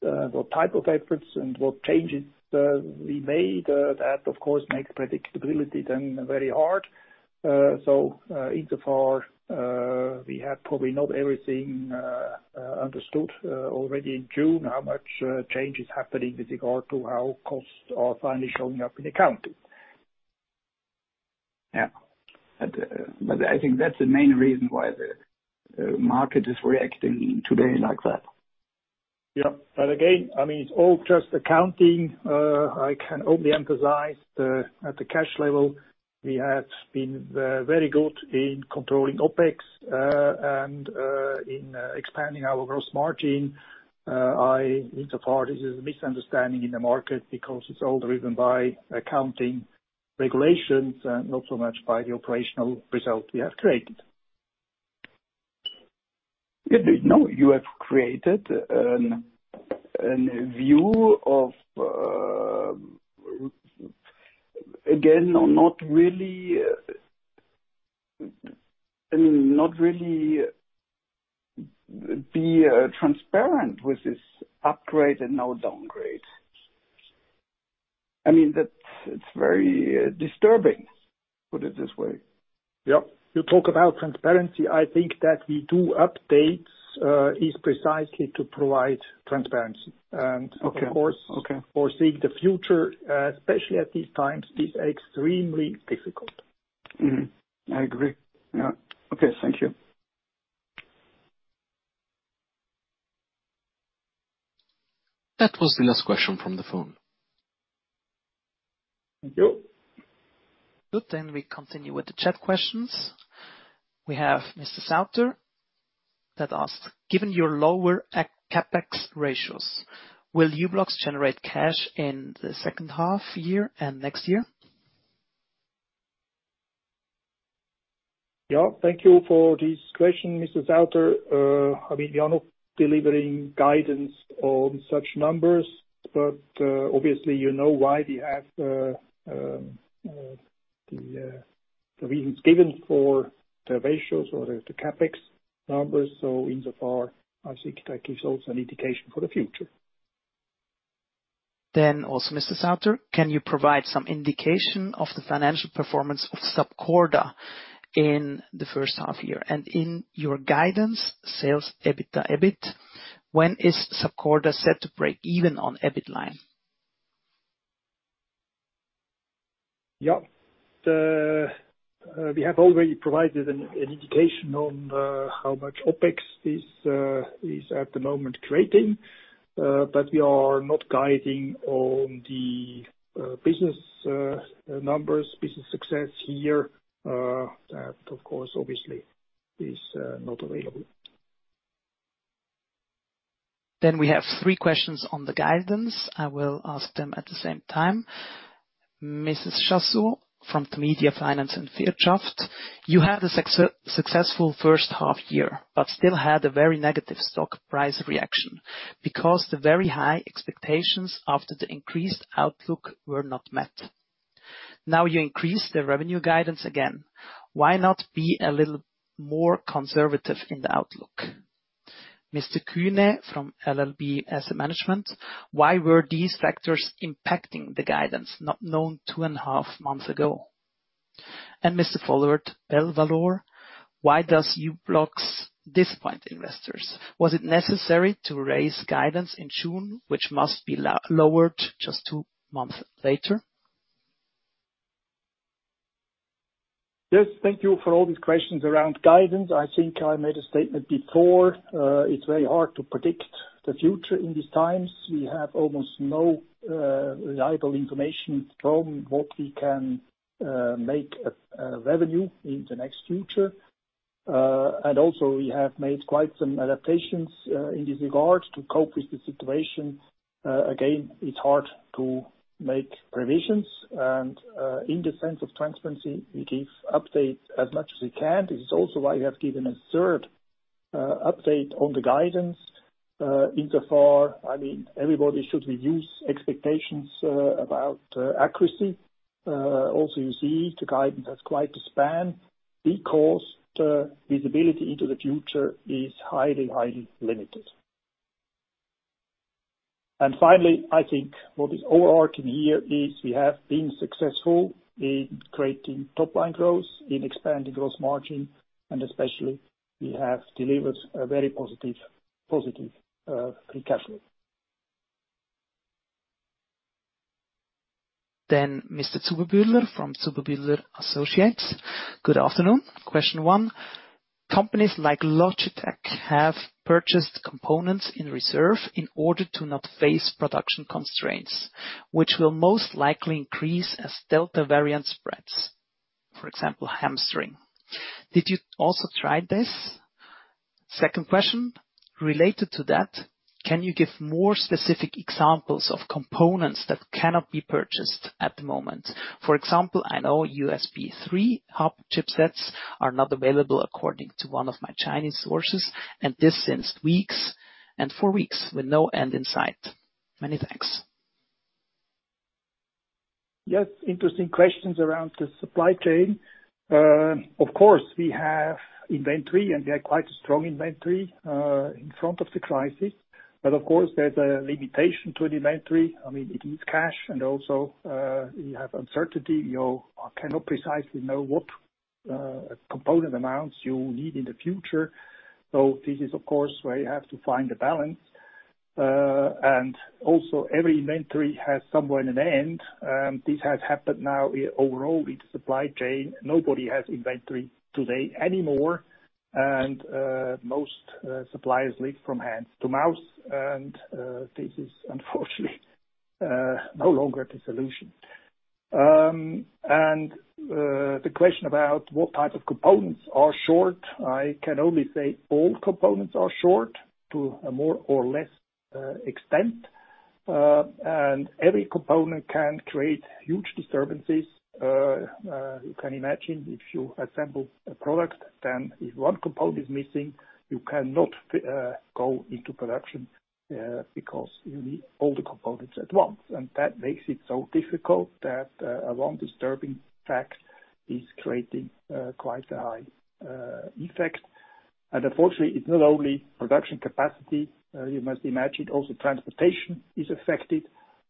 what type of efforts and what changes we made, that of course makes predictability then very hard. Insofar, we had probably not everything understood already in June how much change is happening with regard to how costs are finally showing up in accounting. Yeah. I think that's the main reason why the market is reacting today like that. Again, it's all just accounting. I can only emphasize at the cash level, we have been very good in controlling OPEX, and in expanding our gross margin. Insofar, this is a misunderstanding in the market because it's all driven by accounting regulations and not so much by the operational results we have created. No, you have created a view of, again, not really be transparent with this upgrade and now downgrade. It's very disturbing, put it this way. Yeah. You talk about transparency. I think that we do updates is precisely to provide transparency. Okay. Of course, foreseeing the future, especially at these times, is extremely difficult. I agree. Yeah. Okay. Thank you. That was the last question from the phone. Thank you. Good. We continue with the chat questions. We have Torsten Sauter that asked, "Given your lower CapEx ratios, will u-blox generate cash in the second half year and next year? Thank you for this question, Torsten Sauter. We are not delivering guidance on such numbers, obviously you know why we have the reasons given for the ratios or the CapEx numbers. Insofar, I think that gives us an indication for the future. Also, Torsten Sauter, can you provide some indication of the financial performance of Sapcorda in the first half year and in your guidance sales EBITDA, EBIT? When is Sapcorda set to break even on EBIT line? Yeah. We have already provided an indication on how much OpEx is at the moment creating. We are not guiding on the business numbers, business success year. That of course obviously, is not available. We have three questions on the guidance. I will ask them at the same time. Sylvia Walter from the Media Finanz und Wirtschaft, you had a successful first half year, but still had a very negative stock price reaction because the very high expectations after the increased outlook were not met. You increase the revenue guidance again. Why not be a little more conservative in the outlook? Mr. Kühne from LLB Asset Management, why were these factors impacting the guidance not known two and a half months ago? Mr. Vollert, Belvalor, why does u-blox disappoint investors? Was it necessary to raise guidance in June, which must be lowered just two months later? Yes. Thank you for all these questions around guidance. I think I made a statement before. It's very hard to predict the future in these times. We have almost no reliable information from what we can make a revenue in the next future. Also, we have made quite some adaptations in this regard to cope with the situation. Again, it's hard to make provisions and, in the sense of transparency, we give updates as much as we can. This is also why we have given a third update on the guidance. Insofar, everybody should reduce expectations about accuracy. Also, you see the guidance has quite a span because the visibility into the future is highly limited. Finally, I think what is overarching here is we have been successful in creating top-line growth, in expanding gross margin, and especially we have delivered a very positive free cash flow. Mr. Zuberbühler from Zuberbühler Associates. Good afternoon. Question 1. Companies like Logitech have purchased components in reserve in order to not face production constraints, which will most likely increase as Delta variant spreads. For example, hamstring. Did you also try this? Second question related to that, can you give more specific examples of components that cannot be purchased at the moment? For example, I know USB 3 hub chipsets are not available according to one of my Chinese sources, and this since weeks and for weeks with no end in sight. Many thanks. Yes, interesting questions around the supply chain. Of course, we have inventory, and we had quite a strong inventory in front of the crisis. Of course, there's a limitation to inventory. It eats cash and also you have uncertainty. You cannot precisely know what component amounts you need in the future. This is, of course, where you have to find a balance. Also every inventory has somewhere an end. This has happened now overall with the supply chain. Nobody has inventory today anymore. Most suppliers live from hand to mouth, and this is unfortunately no longer the solution. The question about what type of components are short, I can only say all components are short to a more or less extent. Every component can create huge disturbances. You can imagine if you assemble a product, then if one component is missing, you cannot go into production because you need all the components at once. That makes it so difficult that one disturbing fact is creating quite a high effect. Unfortunately, it's not only production capacity. You must imagine also transportation is affected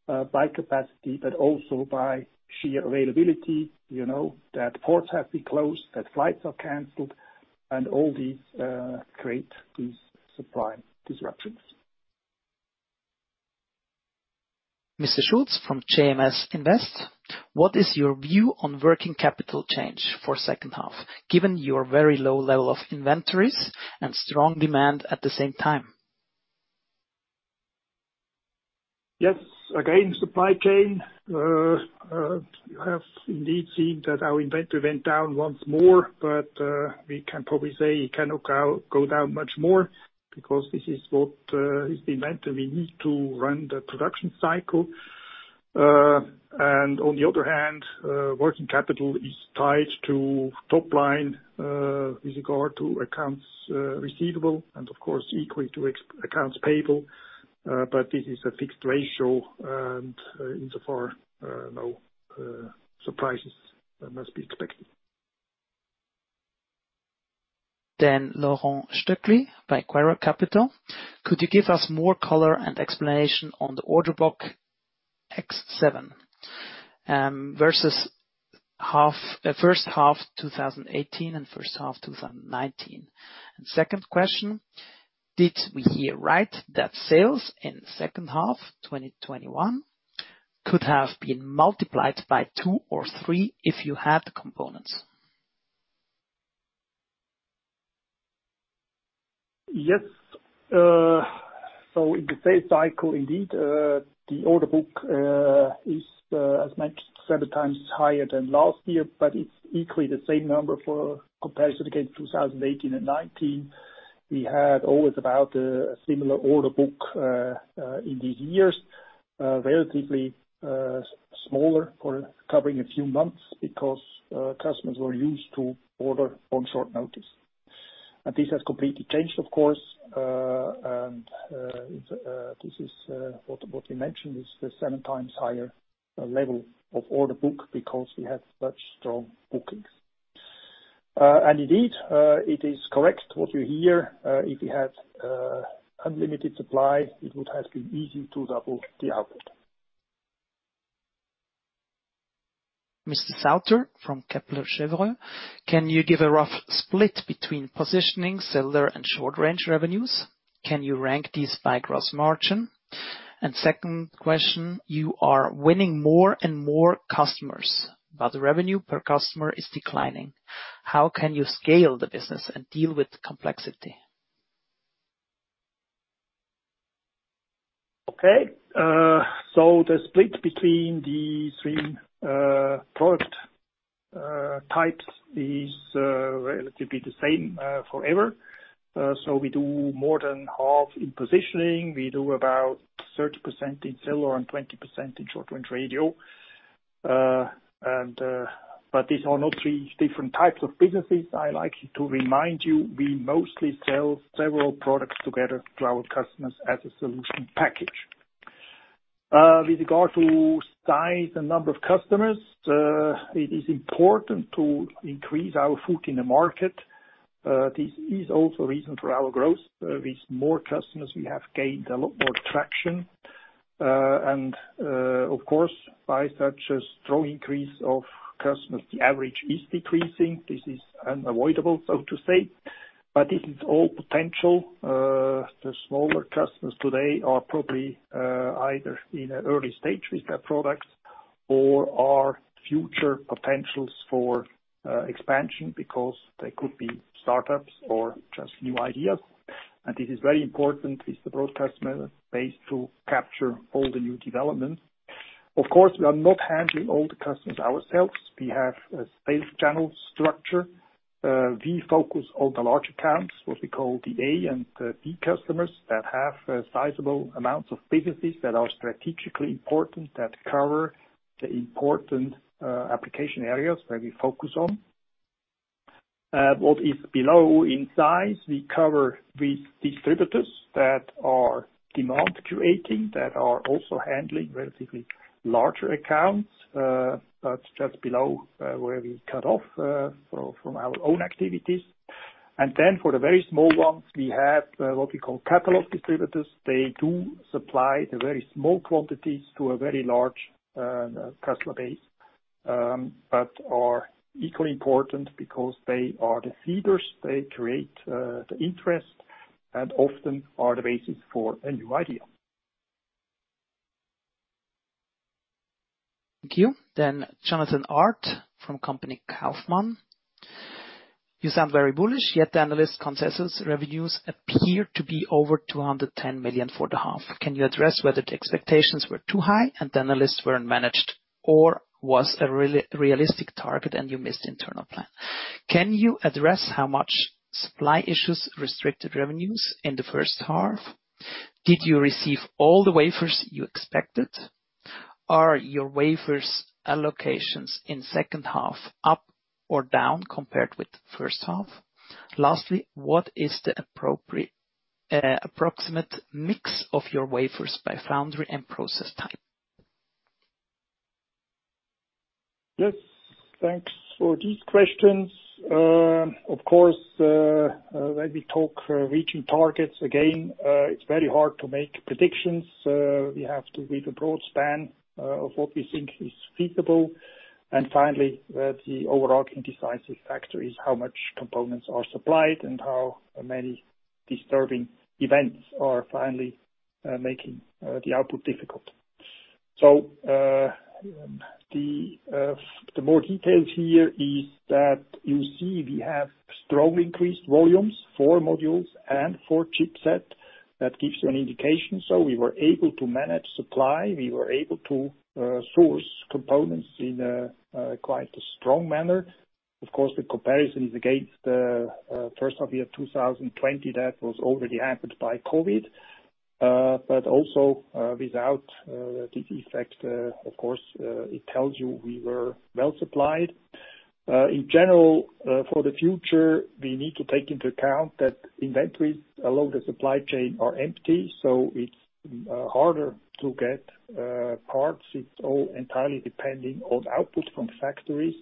by capacity, but also by sheer availability. You know that ports have been closed, that flights are canceled, and all these create these supply disruptions. Mr. Schulz from JMS Invest. What is your view on working capital change for second half, given your very low level of inventories and strong demand at the same time? Yes. Again, supply chain. You have indeed seen that our inventory went down once more, but we can probably say it cannot go down much more because this is what is the inventory we need to run the production cycle. On the other hand, working capital is tied to top line with regard to accounts receivable and of course equally to accounts payable. This is a fixed ratio. Insofar no surprises as we expected. Laurent Stöckli by Quaero Capital. Could you give us more color and explanation on the order book Q3 versus first half 2018 and first half 2019? Second question, did we hear right that sales in the second half 2021 could have been multiplied by two or three if you had the components? Yes. In the same cycle indeed the order book is as much seven times higher than last year, but it's equally the same number for comparison against 2018 and 2019. We had always about a similar order book in these years. Relatively smaller for covering a few months because customers were used to order on short notice. This has completely changed, of course, and this is what you mentioned, is the seven times higher level of order book because we had such strong bookings. Indeed, it is correct what you hear. If you had unlimited supply, it would have been easy to double the output. Torsten Sauter from Kepler Cheuvreux. Can you give a rough split between positioning, cellular, and short-range revenues? Can you rank these by gross margin? Second question, you are winning more and more customers, but the revenue per customer is declining. How can you scale the business and deal with complexity? The split between the three product types is relatively the same forever. We do more than half in positioning. We do about 30% in cellular and 20% in short-range radio. These are not three different types of businesses. I like to remind you, we mostly sell several products together to our customers as a solution package. With regard to size and number of customers, it is important to increase our foot in the market. This is also a reason for our growth. With more customers, we have gained a lot more traction. Of course, by such a strong increase of customers, the average is decreasing. This is unavoidable, so to say. This is all potential. The smaller customers today are probably either in an early stage with their products or are future potentials for expansion because they could be startups or just new ideas. This is very important with the broad customer base to capture all the new developments. Of course, we are not handling all the customers ourselves. We have a sales channel structure. We focus on the large accounts, what we call the A and the B customers that have sizable amounts of businesses that are strategically important, that cover the important application areas that we focus on. What is below in size, we cover with distributors that are demand creating, that are also handling relatively larger accounts, but just below where we cut off from our own activities. For the very small ones, we have what we call catalog distributors. They do supply the very small quantities to a very large customer base, but are equally important because they are the feeders. They create the interest and often are the basis for a new idea. Thank you. Jonathan Art from Kaufmann Fund. You sound very bullish, yet the analyst consensus revenues appear to be over 210 million for the half. Can you address whether the expectations were too high and the analysts weren't managed, or was a realistic target and you missed internal plan? Can you address how much supply issues restricted revenues in the first half? Did you receive all the wafers you expected? Are your wafers allocations in second half up or down compared with first half? Lastly, what is the approximate mix of your wafers by foundry and process type? Yes. Thanks for these questions. Of course, when we talk reaching targets again, it's very hard to make predictions. We have to give a broad span of what we think is feasible. Finally, the overarching decisive factor is how much components are supplied and how many disturbing events are finally making the output difficult. The more details here is that you see we have strong increased volumes for modules and for chipset. That gives you an indication. We were able to manage supply. We were able to source components in quite a strong manner. Of course, the comparison is against the first half year of 2020, that was already hampered by COVID. Also without this effect, of course, it tells you we were well supplied. In general, for the future, we need to take into account that inventories along the supply chain are empty, so it's harder to get parts. It's all entirely depending on output from factories.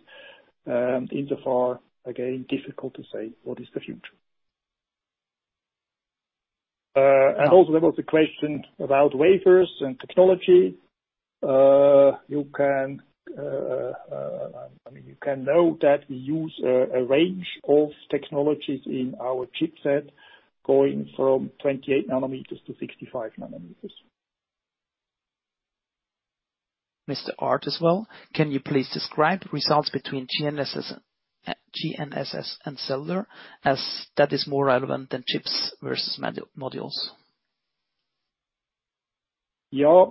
In so far, again, difficult to say what is the future. Also there was a question about wafers and technology. You can know that we use a range of technologies in our chipset going from 28 nanometers to 65 nanometers. Mr. Art as well, can you please describe results between GNSS and cellular as that is more relevant than chips versus modules? Yeah.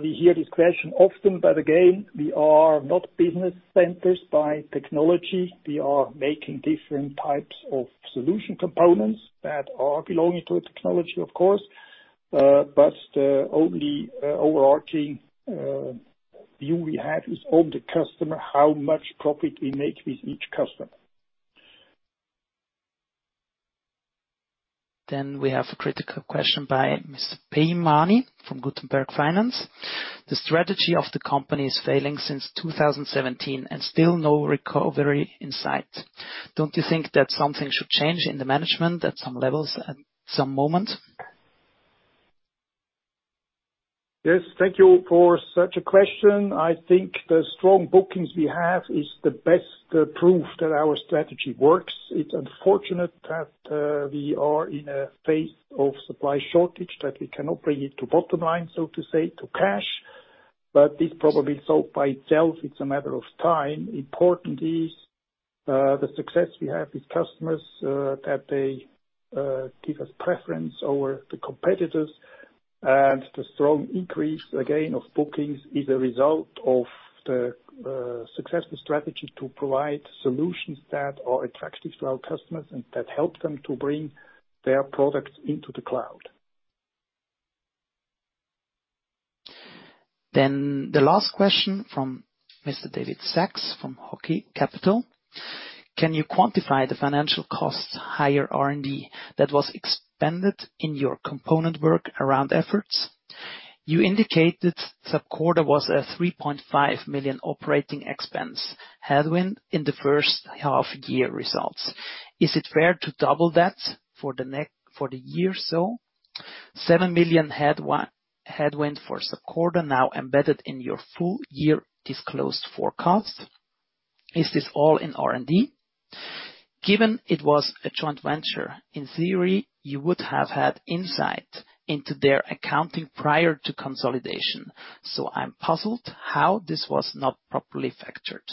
We hear this question often, but again, we are not business-centric by technology. We are making different types of solution components that are belonging to a technology, of course. Only overarching view we have is on the customer, how much profit we make with each customer. We have a critical question by Ms. Paymani from Gutenberg Finance. The strategy of the company is failing since 2017 and still no recovery in sight. Don't you think that something should change in the management at some levels at some moment? Yes. Thank you for such a question. I think the strong bookings we have is the best proof that our strategy works. It's unfortunate that we are in a phase of supply shortage, that we cannot bring it to bottom line, so to say, to cash. This problem will solve by itself. It's a matter of time. Important is the success we have with customers, that they give us preference over the competitors. The strong increase again, of bookings is a result of the successful strategy to provide solutions that are attractive to our customers and that help them to bring their products into the cloud. The last question from Mr. David Sachs from Hocky Capital. Can you quantify the financial costs, higher R&D, that was expended in your component work around efforts? You indicated Sapcorda was a 3.5 million operating expense headwind in the first half-year results. Is it fair to double that for the year so? 7 million headwind for Sapcorda now embedded in your full year disclosed forecast. Is this all in R&D? Given it was a joint venture, in theory, you would have had insight into their accounting prior to consolidation. I'm puzzled how this was not properly factored.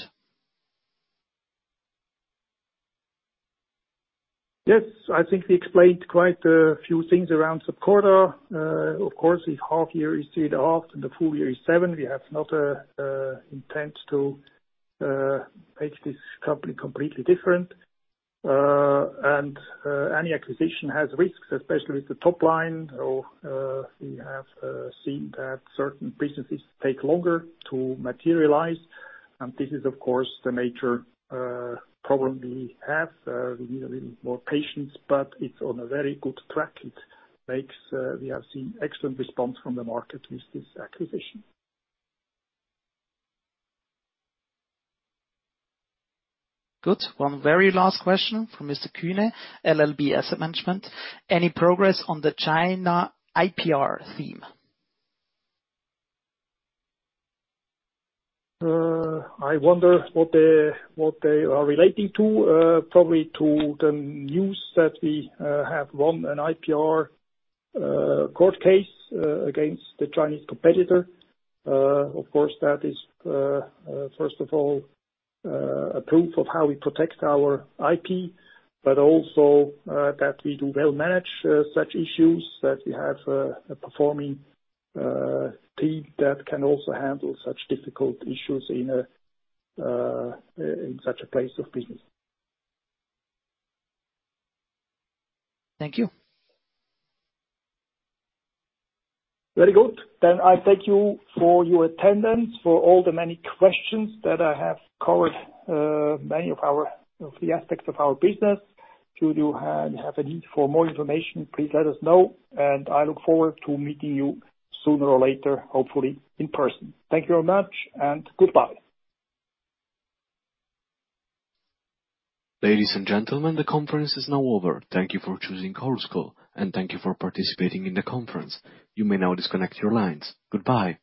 Yes. I think we explained quite a few things around Sapcorda. Of course, the half year is three and a half, and the full year is seven. We have not intent to make this company completely different. Any acquisition has risks, especially with the top line, or we have seen that certain businesses take longer to materialize, and this is, of course, the major problem we have. We need a little more patience, but it's on a very good track. We have seen excellent response from the market with this acquisition. Good. One very last question from Mr. Kühne, LLB Asset Management. Any progress on the China IPR theme? I wonder what they are relating to. Probably to the news that we have won an IPR court case against the Chinese competitor. Of course, that is, first of all, a proof of how we protect our IP, but also that we do well manage such issues, that we have a performing team that can also handle such difficult issues in such a place of business. Thank you. Very good. I thank you for your attendance, for all the many questions that I have covered many of the aspects of our business. Should you have a need for more information, please let us know, and I look forward to meeting you sooner or later, hopefully, in person. Thank you very much, and goodbye. Ladies and gentlemen, the conference is now over. Thank you for choosing Chorus Call and thank you for participating in the conference. You may now disconnect your lines. Goodbye.